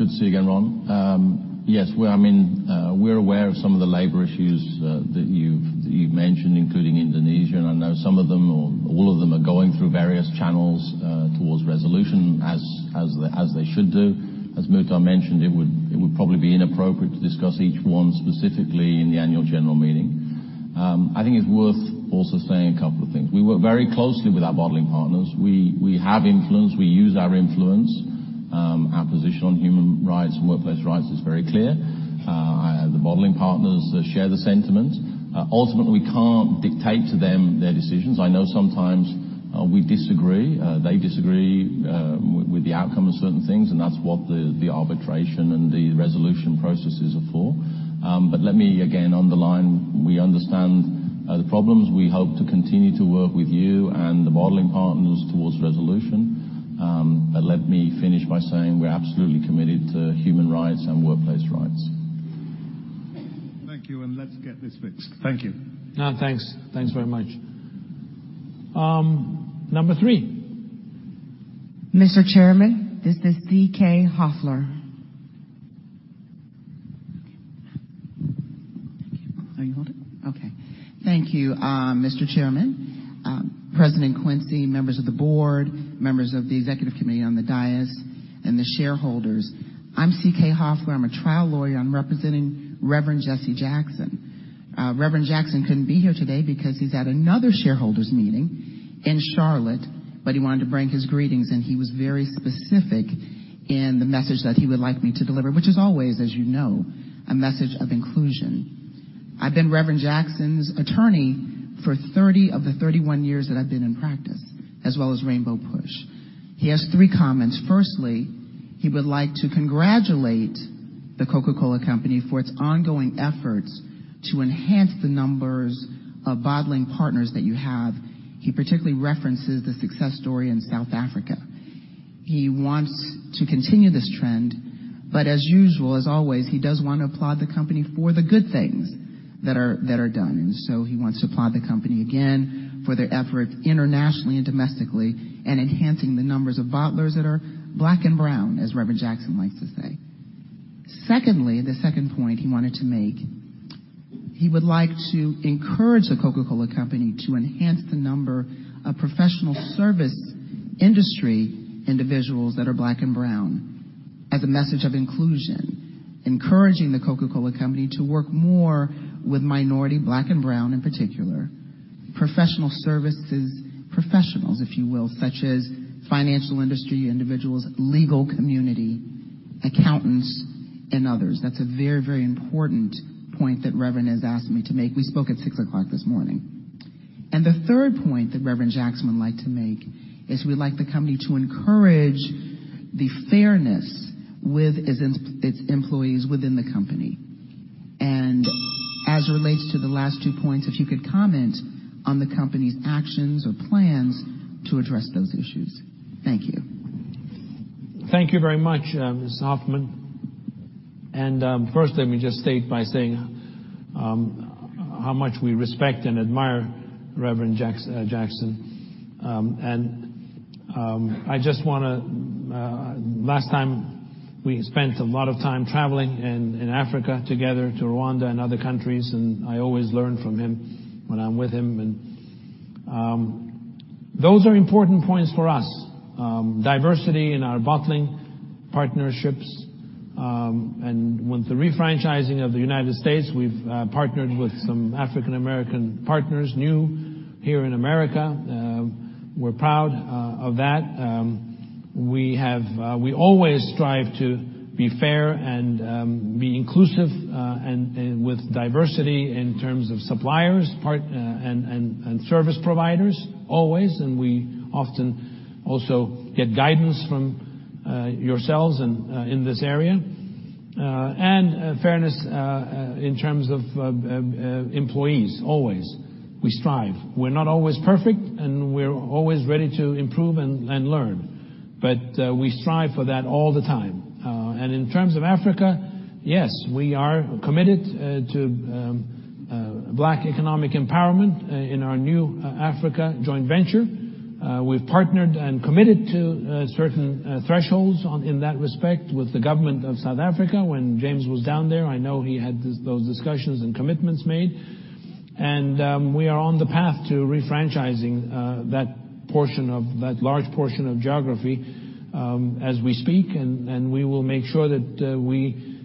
Good to see you again, Ron. Yes, we're aware of some of the labor issues that you've mentioned, including Indonesia, and I know some of them, or all of them, are going through various channels towards resolution, as they should do. As Muhtar mentioned, it would probably be inappropriate to discuss each one specifically in the annual general meeting. I think it's worth also saying a couple of things. We work very closely with our bottling partners. We have influence. We use our influence. Our position on human rights and workplace rights is very clear. The bottling partners share the sentiment. Ultimately, we can't dictate to them their decisions. I know sometimes we disagree, they disagree with the outcome of certain things, and that's what the arbitration and the resolution processes are for. Let me, again, underline, we understand the problems. We hope to continue to work with you and the bottling partners towards resolution. Let me finish by saying we're absolutely committed to human rights and workplace rights. Thank you. Let's get this fixed. Thank you. No, thanks. Thanks very much. Number three. Mr. Chairman, this is C.K. Hoffler. Thank you. Are you holding? Okay. Thank you, Mr. Chairman, President Quincey, members of the board, members of the executive committee on the dais, and the shareholders. I'm C.K. Hoffler. I'm a trial lawyer. I'm representing Reverend Jesse Jackson. Reverend Jackson couldn't be here today because he's at another shareholders' meeting in Charlotte. He wanted to bring his greetings. He was very specific in the message that he would like me to deliver, which is always, as you know, a message of inclusion. I've been Reverend Jackson's attorney for 30 of the 31 years that I've been in practice, as well as Rainbow Push. He has three comments. Firstly, he would like to congratulate The Coca-Cola Company for its ongoing efforts to enhance the numbers of bottling partners that you have. He particularly references the success story in South Africa. He wants to continue this trend. As usual, as always, he does want to applaud the company for the good things that are done. He wants to applaud the company again for their effort internationally and domestically in enhancing the numbers of bottlers that are black and brown, as Reverend Jackson likes to say. Secondly, the second point he wanted to make, he would like to encourage The Coca-Cola Company to enhance the number of professional service industry individuals that are black and brown as a message of inclusion, encouraging The Coca-Cola Company to work more with minority, black and brown in particular, professional services professionals, if you will, such as financial industry individuals, legal community, accountants, and others. That's a very, very important point that Reverend has asked me to make. We spoke at 6:00 A.M. this morning. The third point that Reverend Jesse Jackson would like to make is we'd like the company to encourage the fairness with its employees within the company. As it relates to the last two points, if you could comment on the company's actions or plans to address those issues. Thank you. Thank you very much, Ms. Hoffler. First, let me just state by saying how much we respect and admire Reverend Jesse Jackson. Last time, we spent a lot of time traveling in Africa together to Rwanda and other countries, I always learn from him when I'm with him. Those are important points for us, diversity in our bottling partnerships. With the refranchising of the U.S., we've partnered with some African American partners, new, here in America. We're proud of that. We always strive to be fair and be inclusive, with diversity in terms of suppliers and service providers, always, we often also get guidance from yourselves in this area. Fairness in terms of employees, always. We strive. We're not always perfect, and we're always ready to improve and learn. We strive for that all the time. In terms of Africa, yes, we are committed to Black economic empowerment in our New Africa joint venture. We've partnered and committed to certain thresholds in that respect with the government of South Africa. When James was down there, I know he had those discussions and commitments made. We are on the path to refranchising that large portion of geography as we speak, and we will make sure that we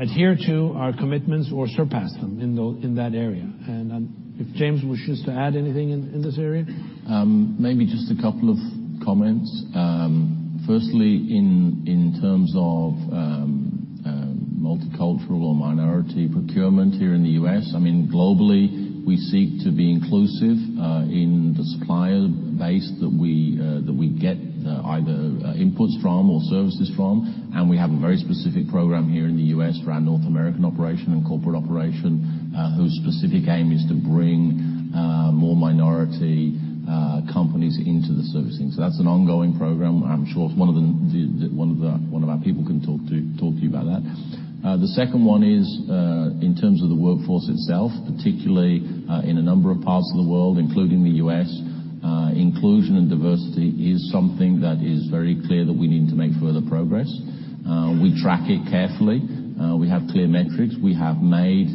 adhere to our commitments or surpass them in that area. If James wishes to add anything in this area? Maybe just a couple of comments. Firstly, in terms of multicultural or minority procurement here in the U.S., globally, we seek to be inclusive in the supplier base that we get either inputs from or services from. We have a very specific program here in the U.S. for our North American operation and corporate operation, whose specific aim is to bring more minority companies into the servicing. That's an ongoing program. I'm sure one of our people can talk to you about that. The second one is in terms of the workforce itself, particularly in a number of parts of the world, including the U.S., inclusion and diversity is something that is very clear that we need to make further progress. We track it carefully. We have clear metrics. We have made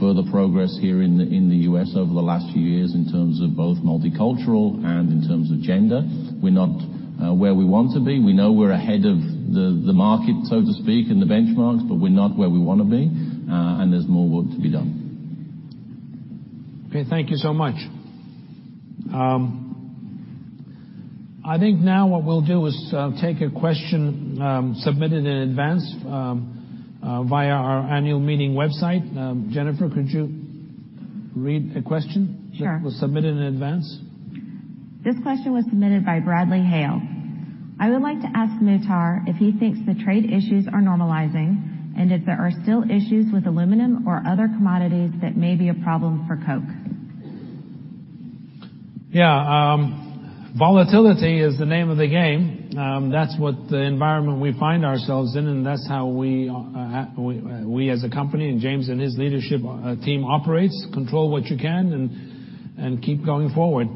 further progress here in the U.S. over the last few years in terms of both multicultural and in terms of gender. We're not where we want to be. We know we're ahead of the market, so to speak, and the benchmarks, but we're not where we want to be. There's more work to be done. Okay. Thank you so much. I think now what we'll do is take a question submitted in advance via our annual meeting website. Jennifer, could you read a question- Sure that was submitted in advance? This question was submitted by Bradley Hale. "I would like to ask Muhtar if he thinks the trade issues are normalizing, if there are still issues with aluminum or other commodities that may be a problem for Coke. Yeah. Volatility is the name of the game. That's what the environment we find ourselves in, and that's how we as a company, and James and his leadership team operates, control what you can and keep going forward.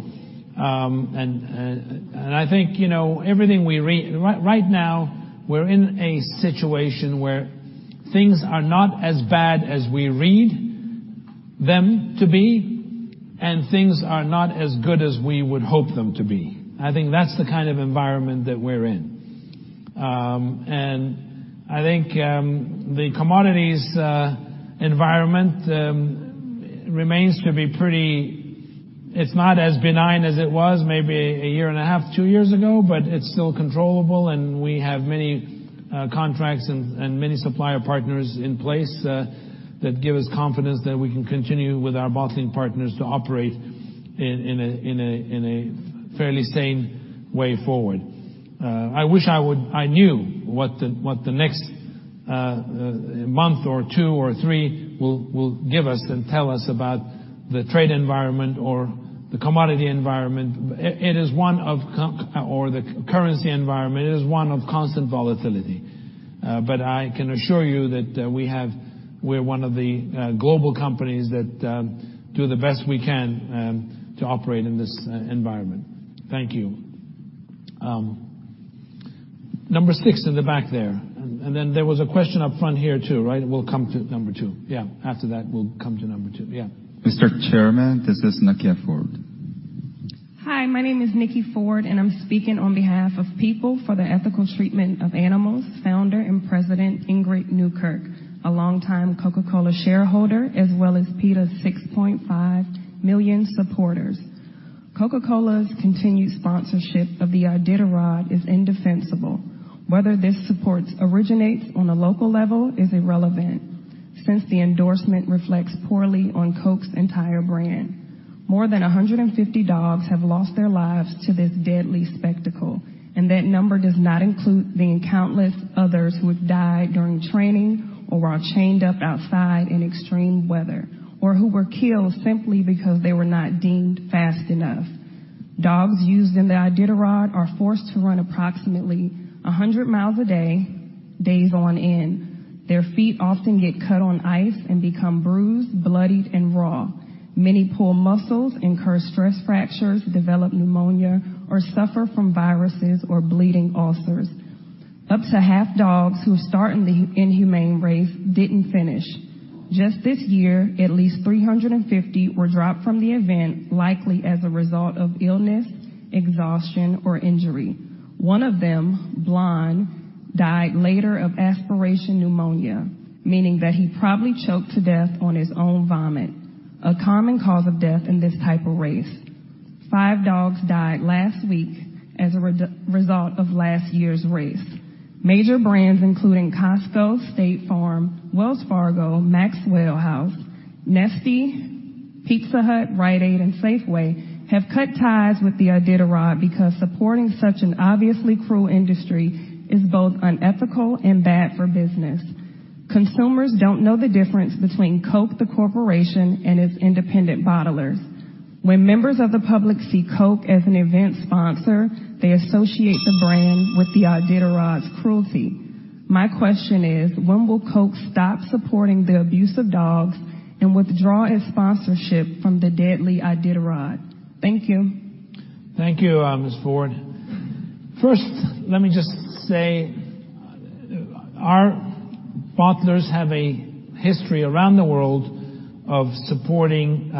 I think right now, we're in a situation where things are not as bad as we read them to be, and things are not as good as we would hope them to be. I think that's the kind of environment that we're in. I think the commodities environment remains to be pretty It's not as benign as it was maybe a year and a half, two years ago, but it's still controllable, and we have many contracts and many supplier partners in place that give us confidence that we can continue with our bottling partners to operate in a fairly sane way forward. I wish I knew what the next month or two or three will give us and tell us about the trade environment or the commodity environment or the currency environment. It is one of constant volatility. I can assure you that we're one of the global companies that do the best we can to operate in this environment. Thank you. Number 6 in the back there. Then there was a question up front here, too, right? We'll come to Number 2. Yeah. After that, we'll come to Number 2. Yeah. Mr. Chairman, this is Nikki Ford. Hi, my name is Nikki Ford, and I'm speaking on behalf of People for the Ethical Treatment of Animals founder and president Ingrid Newkirk, a longtime Coca-Cola shareholder, as well as PETA's 6.5 million supporters. Coca-Cola's continued sponsorship of the Iditarod is indefensible. Whether this support originates on a local level is irrelevant, since the endorsement reflects poorly on Coke's entire brand. More than 150 dogs have lost their lives to this deadly spectacle, and that number does not include the countless others who have died during training or are chained up outside in extreme weather or who were killed simply because they were not deemed fast enough. Dogs used in the Iditarod are forced to run approximately 100 miles a day, days on end. Their feet often get cut on ice and become bruised, bloodied, and raw. Many pull muscles, incur stress fractures, develop pneumonia, or suffer from viruses or bleeding ulcers. Up to half dogs who start in the inhumane race didn't finish. Just this year, at least 350 were dropped from the event, likely as a result of illness, exhaustion, or injury. One of them, Blonde, died later of aspiration pneumonia, meaning that he probably choked to death on his own vomit, a common cause of death in this type of race. Five dogs died last week as a result of last year's race. Major brands including Costco, State Farm, Wells Fargo, Maxwell House, Nestlé, Pizza Hut, Rite Aid, and Safeway have cut ties with the Iditarod because supporting such an obviously cruel industry is both unethical and bad for business. Consumers don't know the difference between Coke the corporation and its independent bottlers. When members of the public see Coke as an event sponsor, they associate the brand with the Iditarod's cruelty. My question is, when will Coke stop supporting the abuse of dogs and withdraw its sponsorship from the deadly Iditarod? Thank you. Thank you, Ms. Ford. First, let me just say, Our bottlers have a history around the world of supporting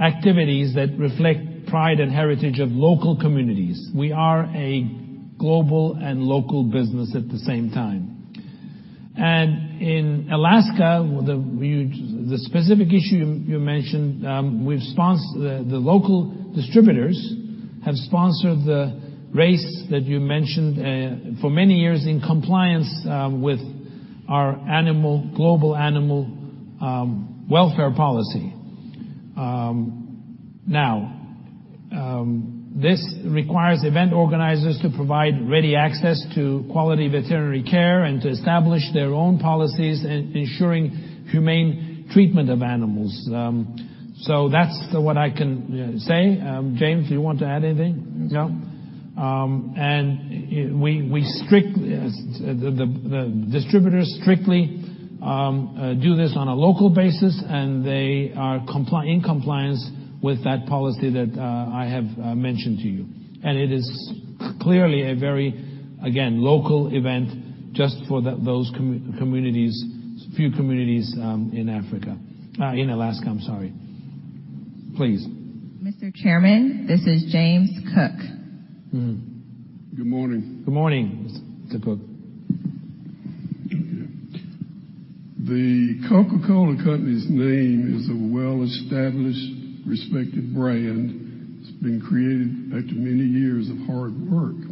activities that reflect pride and heritage of local communities. We are a global and local business at the same time. In Alaska, the specific issue you mentioned, the local distributors have sponsored the race that you mentioned for many years in compliance with our global animal welfare policy. This requires event organizers to provide ready access to quality veterinary care and to establish their own policies ensuring humane treatment of animals. That's what I can say. James, do you want to add anything? No. No. The distributors strictly do this on a local basis, and they are in compliance with that policy that I have mentioned to you. It is clearly a very, again, local event just for those few communities in Africa. In Alaska, I'm sorry. Please. Mr. Chairman, this is James Cook. Good morning. Good morning, Mr. Cook. The Coca-Cola Company's name is a well-established, respected brand that's been created after many years of hard work.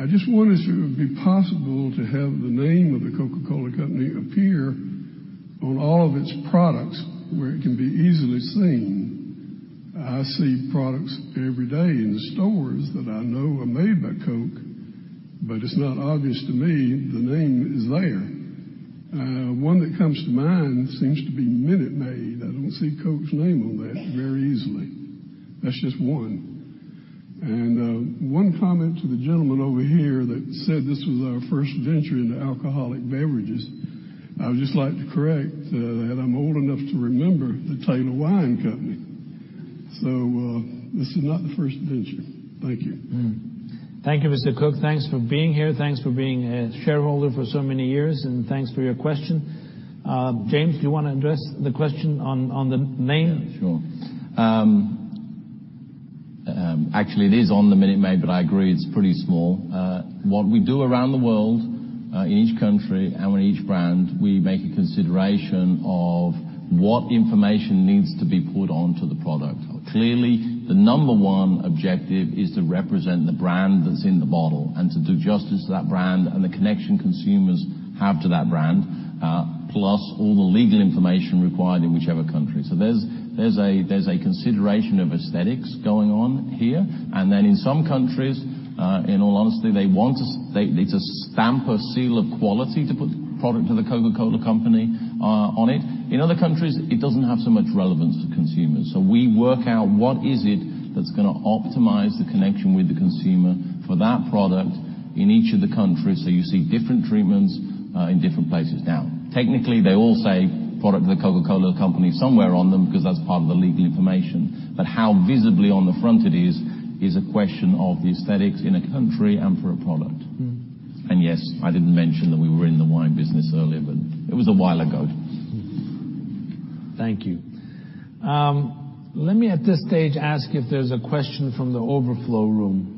I just wonder if it would be possible to have the name of The Coca-Cola Company appear on all of its products where it can be easily seen. I see products every day in the stores that I know are made by Coke, but it's not obvious to me the name is there. One that comes to mind seems to be Minute Maid. I don't see Coke's name on that very easily. That's just one. One comment to the gentleman over here that said this was our first venture into alcoholic beverages. I would just like to correct that. I'm old enough to remember the Taylor Wine Company. This is not the first venture. Thank you. Thank you, Mr. Cook. Thanks for being here. Thanks for being a shareholder for so many years, and thanks for your question. James, do you want to address the question on the name? Yeah, sure. Actually, it is on the Minute Maid, but I agree, it's pretty small. What we do around the world, in each country and on each brand, we make a consideration of what information needs to be put onto the product. Clearly, the number one objective is to represent the brand that's in the bottle and to do justice to that brand and the connection consumers have to that brand. Plus all the legal information required in whichever country. There's a consideration of aesthetics going on here, and then in some countries, in all honesty, they need to stamp a seal of quality to put "Product of The Coca-Cola Company" on it. In other countries, it doesn't have so much relevance to consumers. We work out what is it that's going to optimize the connection with the consumer for that product in each of the countries. You see different treatments in different places. Now, technically, they all say "Product of The Coca-Cola Company" somewhere on them because that's part of the legal information. How visibly on the front it is a question of the aesthetics in a country and for a product. Yes, I didn't mention that we were in the wine business earlier, but it was a while ago. Thank you. Let me at this stage ask if there's a question from the overflow room.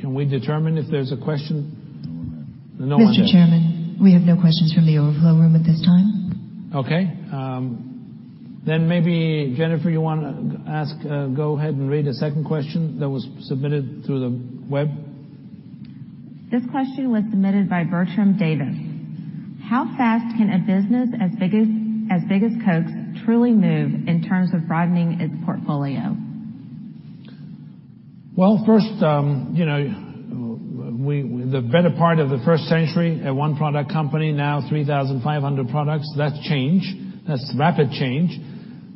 Can we determine if there's a question? No one there. No one there. Mr. Chairman, we have no questions from the overflow room at this time. Jennifer, you want to go ahead and read the second question that was submitted through the web? This question was submitted by Bertram Davis. "How fast can a business as big as Coke truly move in terms of broadening its portfolio? First, the better part of the first century, a one-product company, now 3,500 products. That's change. That's rapid change.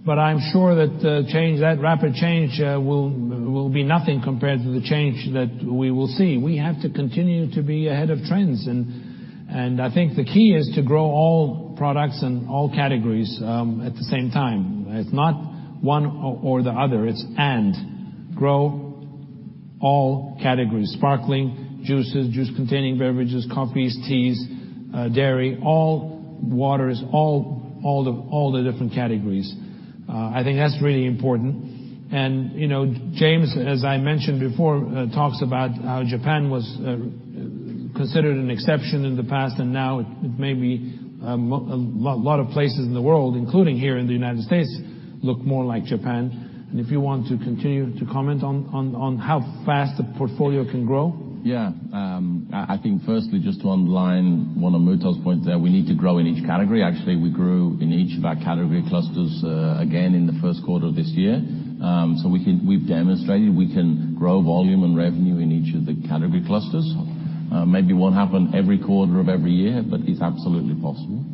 I'm sure that rapid change will be nothing compared to the change that we will see. We have to continue to be ahead of trends, and I think the key is to grow all products and all categories at the same time. It's not one or the other. It's and. Grow all categories. Sparkling, juices, juice-containing beverages, coffees, teas, dairy, waters, all the different categories. I think that's really important. James, as I mentioned before, talks about how Japan was considered an exception in the past, and now it may be a lot of places in the world, including here in the U.S., look more like Japan. If you want to continue to comment on how fast the portfolio can grow? I think firstly, just to underline one of Muhtar's points there, we need to grow in each category. Actually, we grew in each of our category clusters again in the first quarter of this year. We've demonstrated we can grow volume and revenue in each of the category clusters. Maybe it won't happen every quarter of every year, but it's absolutely possible.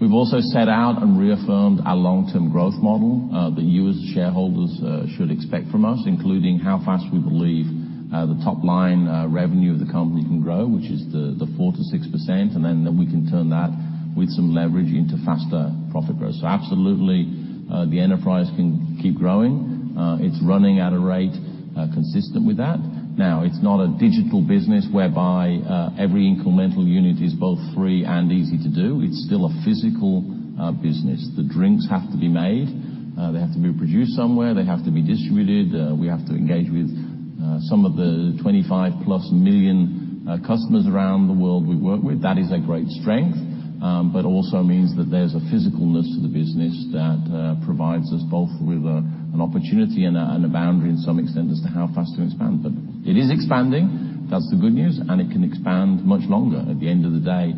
We've also set out and reaffirmed our long-term growth model, that you as shareholders should expect from us, including how fast we believe the top-line revenue of the company can grow, which is the 4%-6%, and then that we can turn that with some leverage into faster profit growth. Absolutely, the enterprise can keep growing. It's running at a rate consistent with that. Now, it's not a digital business whereby every incremental unit is both free and easy to do. It's still a physical business. The drinks have to be made. They have to be produced somewhere. They have to be distributed. We have to engage with some of the 25-plus million customers around the world we work with. That is a great strength, but also means that there's a physicalness to the business that provides us both with an opportunity and a boundary to some extent as to how fast to expand. It is expanding. That's the good news, and it can expand much longer. At the end of the day,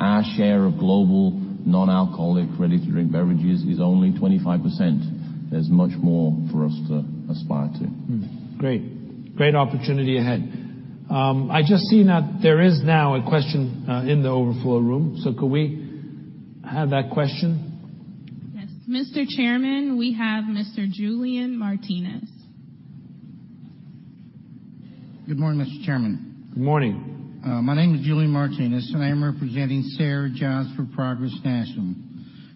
our share of global non-alcoholic, ready-to-drink beverages is only 25%. There's much more for us to aspire to. Great. Great opportunity ahead. I just see now there is now a question in the overflow room. Could we have that question? Yes. Mr. Chairman, we have Mr. Julian Martinez. Good morning, Mr. Chairman. Good morning. My name is Julian Martinez, and I am representing SER Jobs for Progress National.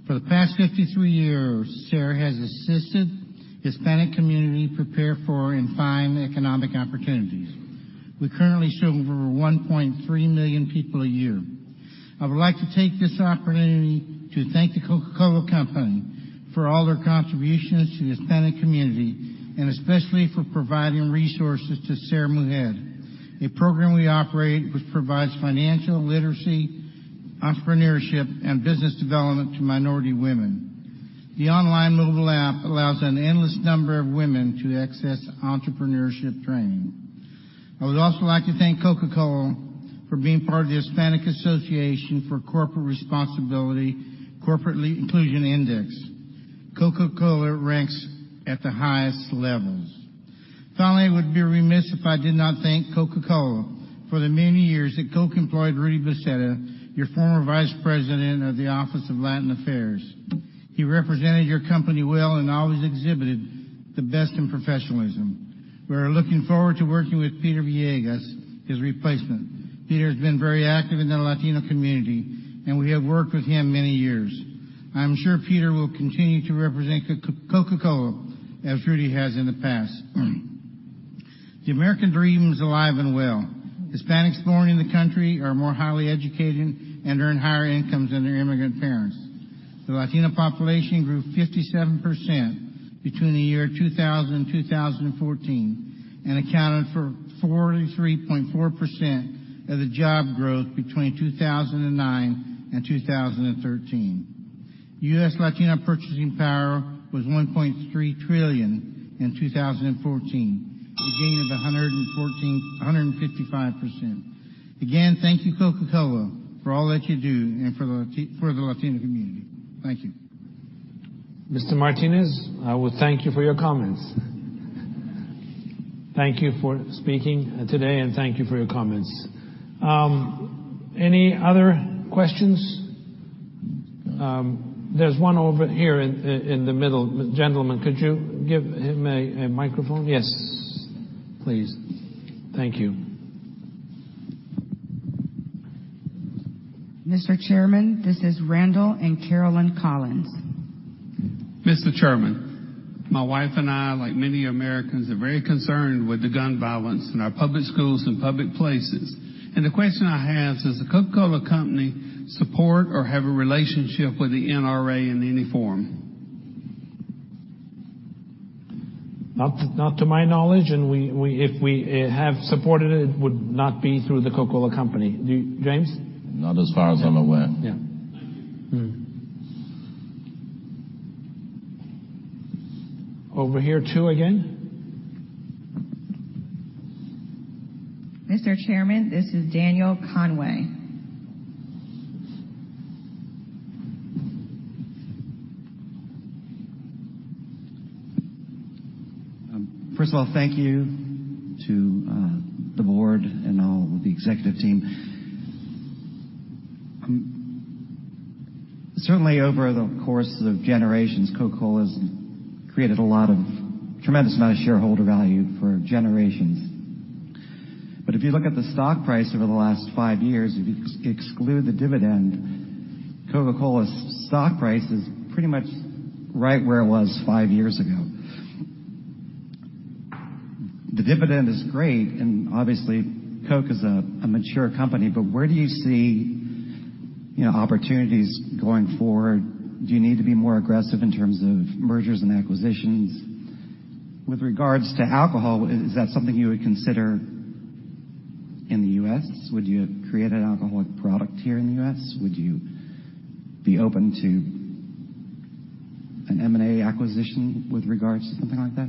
For the past 53 years, SER has assisted Hispanic community prepare for and find economic opportunities. We currently serve over 1.3 million people a year. I would like to take this opportunity to thank The Coca-Cola Company for all their contributions to the Hispanic community, and especially for providing resources to SER MUJER, a program we operate which provides financial literacy, entrepreneurship, and business development to minority women. The online mobile app allows an endless number of women to access entrepreneurship training. I would also like to thank Coca-Cola for being part of the Hispanic Association on Corporate Responsibility Corporate Inclusion Index. Coca-Cola ranks at the highest levels. I would be remiss if I did not thank Coca-Cola for the many years that Coke employed Rudy Becerra, your former Vice President of the Office of Latin Affairs. He represented your company well and always exhibited the best in professionalism. We are looking forward to working with Peter Villegas, his replacement. Peter has been very active in the Latino community, and we have worked with him many years. I'm sure Peter will continue to represent Coca-Cola as Rudy has in the past. The American dream is alive and well. Hispanics born in the country are more highly educated and earn higher incomes than their immigrant parents. The Latino population grew 57% between the year 2000 and 2014, and accounted for 43.4% of the job growth between 2009 and 2013. U.S. Latino purchasing power was $1.3 trillion in 2014, a gain of 155%. Thank you, Coca-Cola, for all that you do and for the Latino community. Thank you. Mr. Martinez, I would thank you for your comments. Thank you for speaking today, thank you for your comments. Any other questions? There's one over here in the middle. Gentlemen, could you give him a microphone? Yes, please. Thank you. Mr. Chairman, this is Randall and Carolyn Collins. Mr. Chairman, my wife and I, like many Americans, are very concerned with the gun violence in our public schools and public places. The question I have, does The Coca-Cola Company support or have a relationship with the NRA in any form? Not to my knowledge. If we have supported it would not be through The Coca-Cola Company. Do you, James? Not as far as I'm aware. Yeah. Over here, too, again. Mr. Chairman, this is Daniel Conway. First of all, thank you to the board and all the executive team. Certainly, over the course of generations, Coca-Cola's created a tremendous amount of shareholder value for generations. If you look at the stock price over the last five years, if you exclude the dividend, Coca-Cola's stock price is pretty much right where it was five years ago. The dividend is great, obviously, Coke is a mature company, where do you see opportunities going forward? Do you need to be more aggressive in terms of mergers and acquisitions? With regards to alcohol, is that something you would consider in the U.S.? Would you create an alcoholic product here in the U.S.? Would you be open to an M&A acquisition with regards to something like that?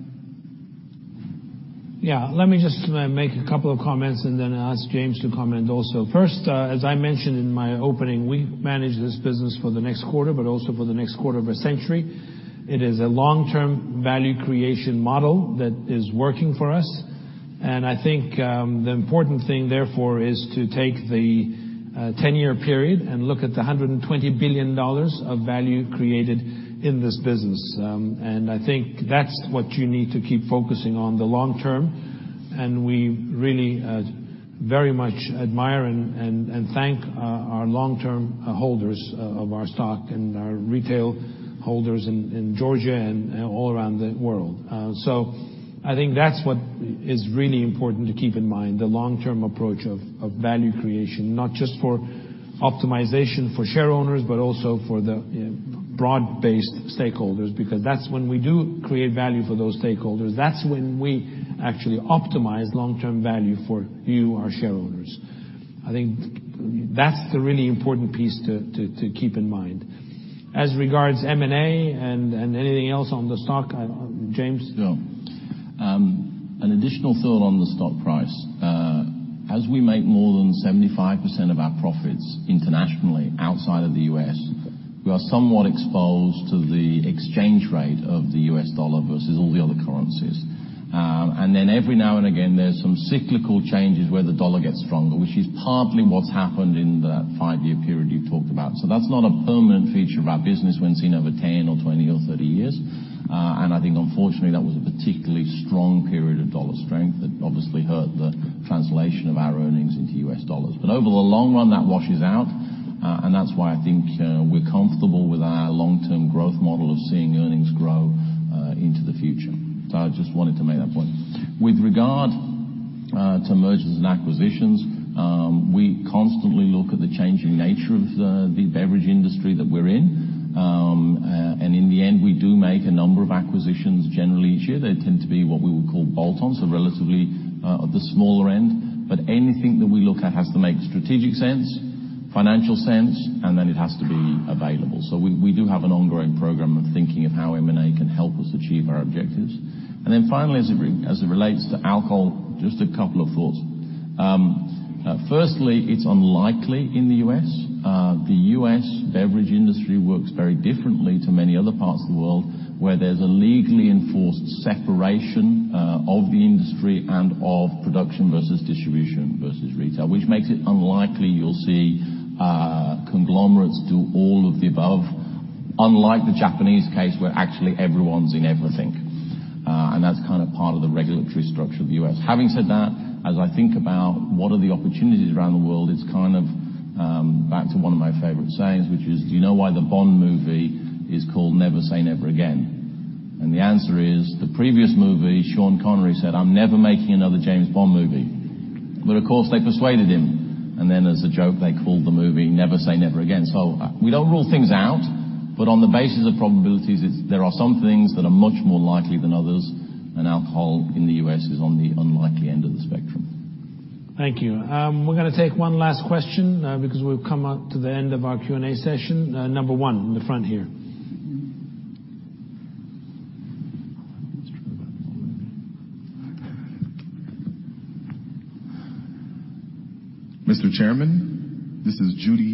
Yeah. Let me just make a couple of comments and then ask James to comment also. First, as I mentioned in my opening, we manage this business for the next quarter, but also for the next quarter of a century. It is a long-term value creation model that is working for us. I think the important thing, therefore, is to take the 10-year period and look at the $120 billion of value created in this business. I think that's what you need to keep focusing on the long term. We really very much admire and thank our long-term holders of our stock and our retail holders in Georgia and all around the world. I think that's what is really important to keep in mind, the long-term approach of value creation, not just for optimization for share owners, but also for the broad-based stakeholders, because that's when we do create value for those stakeholders. That's when we actually optimize long-term value for you, our shareholders. I think that's the really important piece to keep in mind. As regards M&A and anything else on the stock, James? Sure. An additional thought on the stock price. As we make more than 75% of our profits internationally, outside of the U.S., we are somewhat exposed to the exchange rate of the U.S. dollar versus all the other currencies. Then every now and again, there's some cyclical changes where the dollar gets stronger, which is partly what's happened in the five-year period you talked about. That's not a permanent feature of our business when seen over 10 or 20 or 30 years. I think unfortunately, that was a particularly strong period of dollar strength that obviously hurt the translation of our earnings into U.S. dollars. Over the long run, that washes out, and that's why I think we're comfortable with our long-term growth model of seeing earnings grow into the future. I just wanted to make that point. With regard to mergers and acquisitions, we constantly look at the changing nature of the beverage industry that we're in. In the end, we do make a number of acquisitions generally each year. They tend to be what we would call bolt-ons, so relatively at the smaller end. Anything that we look at has to make strategic sense, financial sense, and then it has to be available. We do have an ongoing program of thinking of how M&A can help us achieve our objectives. Then finally, as it relates to alcohol, just a couple of thoughts. Firstly, it's unlikely in the U.S. The U.S. beverage industry works very differently to many other parts of the world, where there's a legally enforced separation of the industry and of production versus distribution versus retail, which makes it unlikely you'll see conglomerates do all of the above, unlike the Japanese case, where actually everyone's in everything. That's kind of part of the regulatory structure of the U.S. Having said that, as I think about what are the opportunities around the world, it's back to one of my favorite sayings, which is, do you know why the Bond movie is called Never Say Never Again? The answer is, the previous movie, Sean Connery said, "I'm never making another James Bond movie." Of course, they persuaded him. Then as a joke, they called the movie Never Say Never Again. We don't rule things out, but on the basis of probabilities, there are some things that are much more likely than others, and alcohol in the U.S. is on the unlikely end of the spectrum. Thank you. We're going to take one last question because we've come up to the end of our Q&A session. Number one in the front here. Mr. Chairman, this is Judy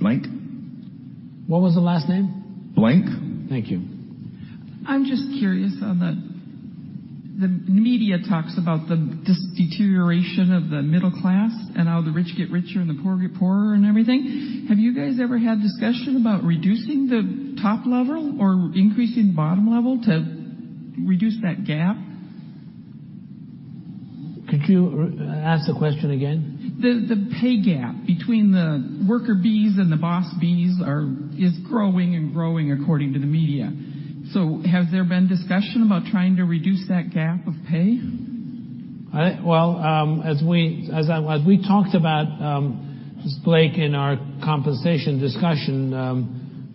Blank. What was the last name? Blank. Thank you. I'm just curious on the media talks about the deterioration of the middle class and how the rich get richer and the poor get poorer and everything. Have you guys ever had discussion about reducing the top level or increasing bottom level to reduce that gap? Could you ask the question again? The pay gap between the worker bees and the boss bees is growing and growing according to the media. Has there been discussion about trying to reduce that gap of pay? Well, as we talked about, Ms. Blank, in our compensation discussion,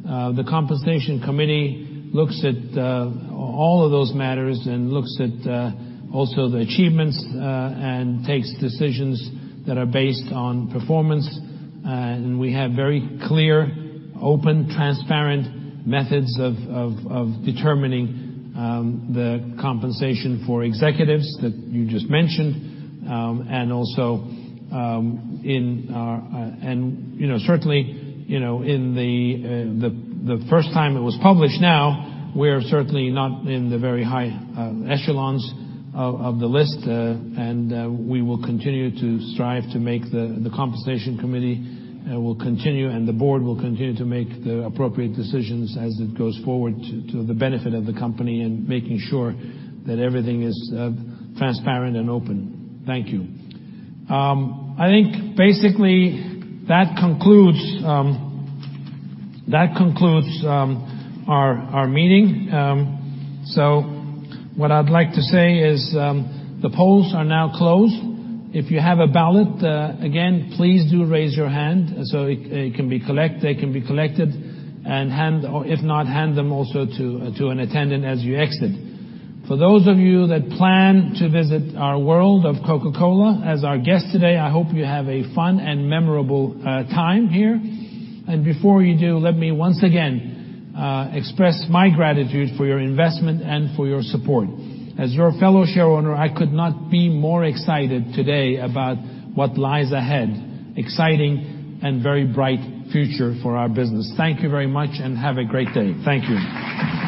the compensation committee looks at all of those matters and looks at also the achievements and takes decisions that are based on performance. We have very clear, open, transparent methods of determining the compensation for executives that you just mentioned. Certainly, in the first time it was published now, we're certainly not in the very high echelons of the list, and we will continue to strive to make the The compensation committee will continue, and the board will continue to make the appropriate decisions as it goes forward to the benefit of the company and making sure that everything is transparent and open. Thank you. I think basically that concludes our meeting. What I'd like to say is the polls are now closed. If you have a ballot, again, please do raise your hand so they can be collected, and if not, hand them also to an attendant as you exit. For those of you that plan to visit our World of Coca-Cola as our guest today, I hope you have a fun and memorable time here. Before you do, let me once again express my gratitude for your investment and for your support. As your fellow shareholder, I could not be more excited today about what lies ahead. Exciting and very bright future for our business. Thank you very much, and have a great day. Thank you.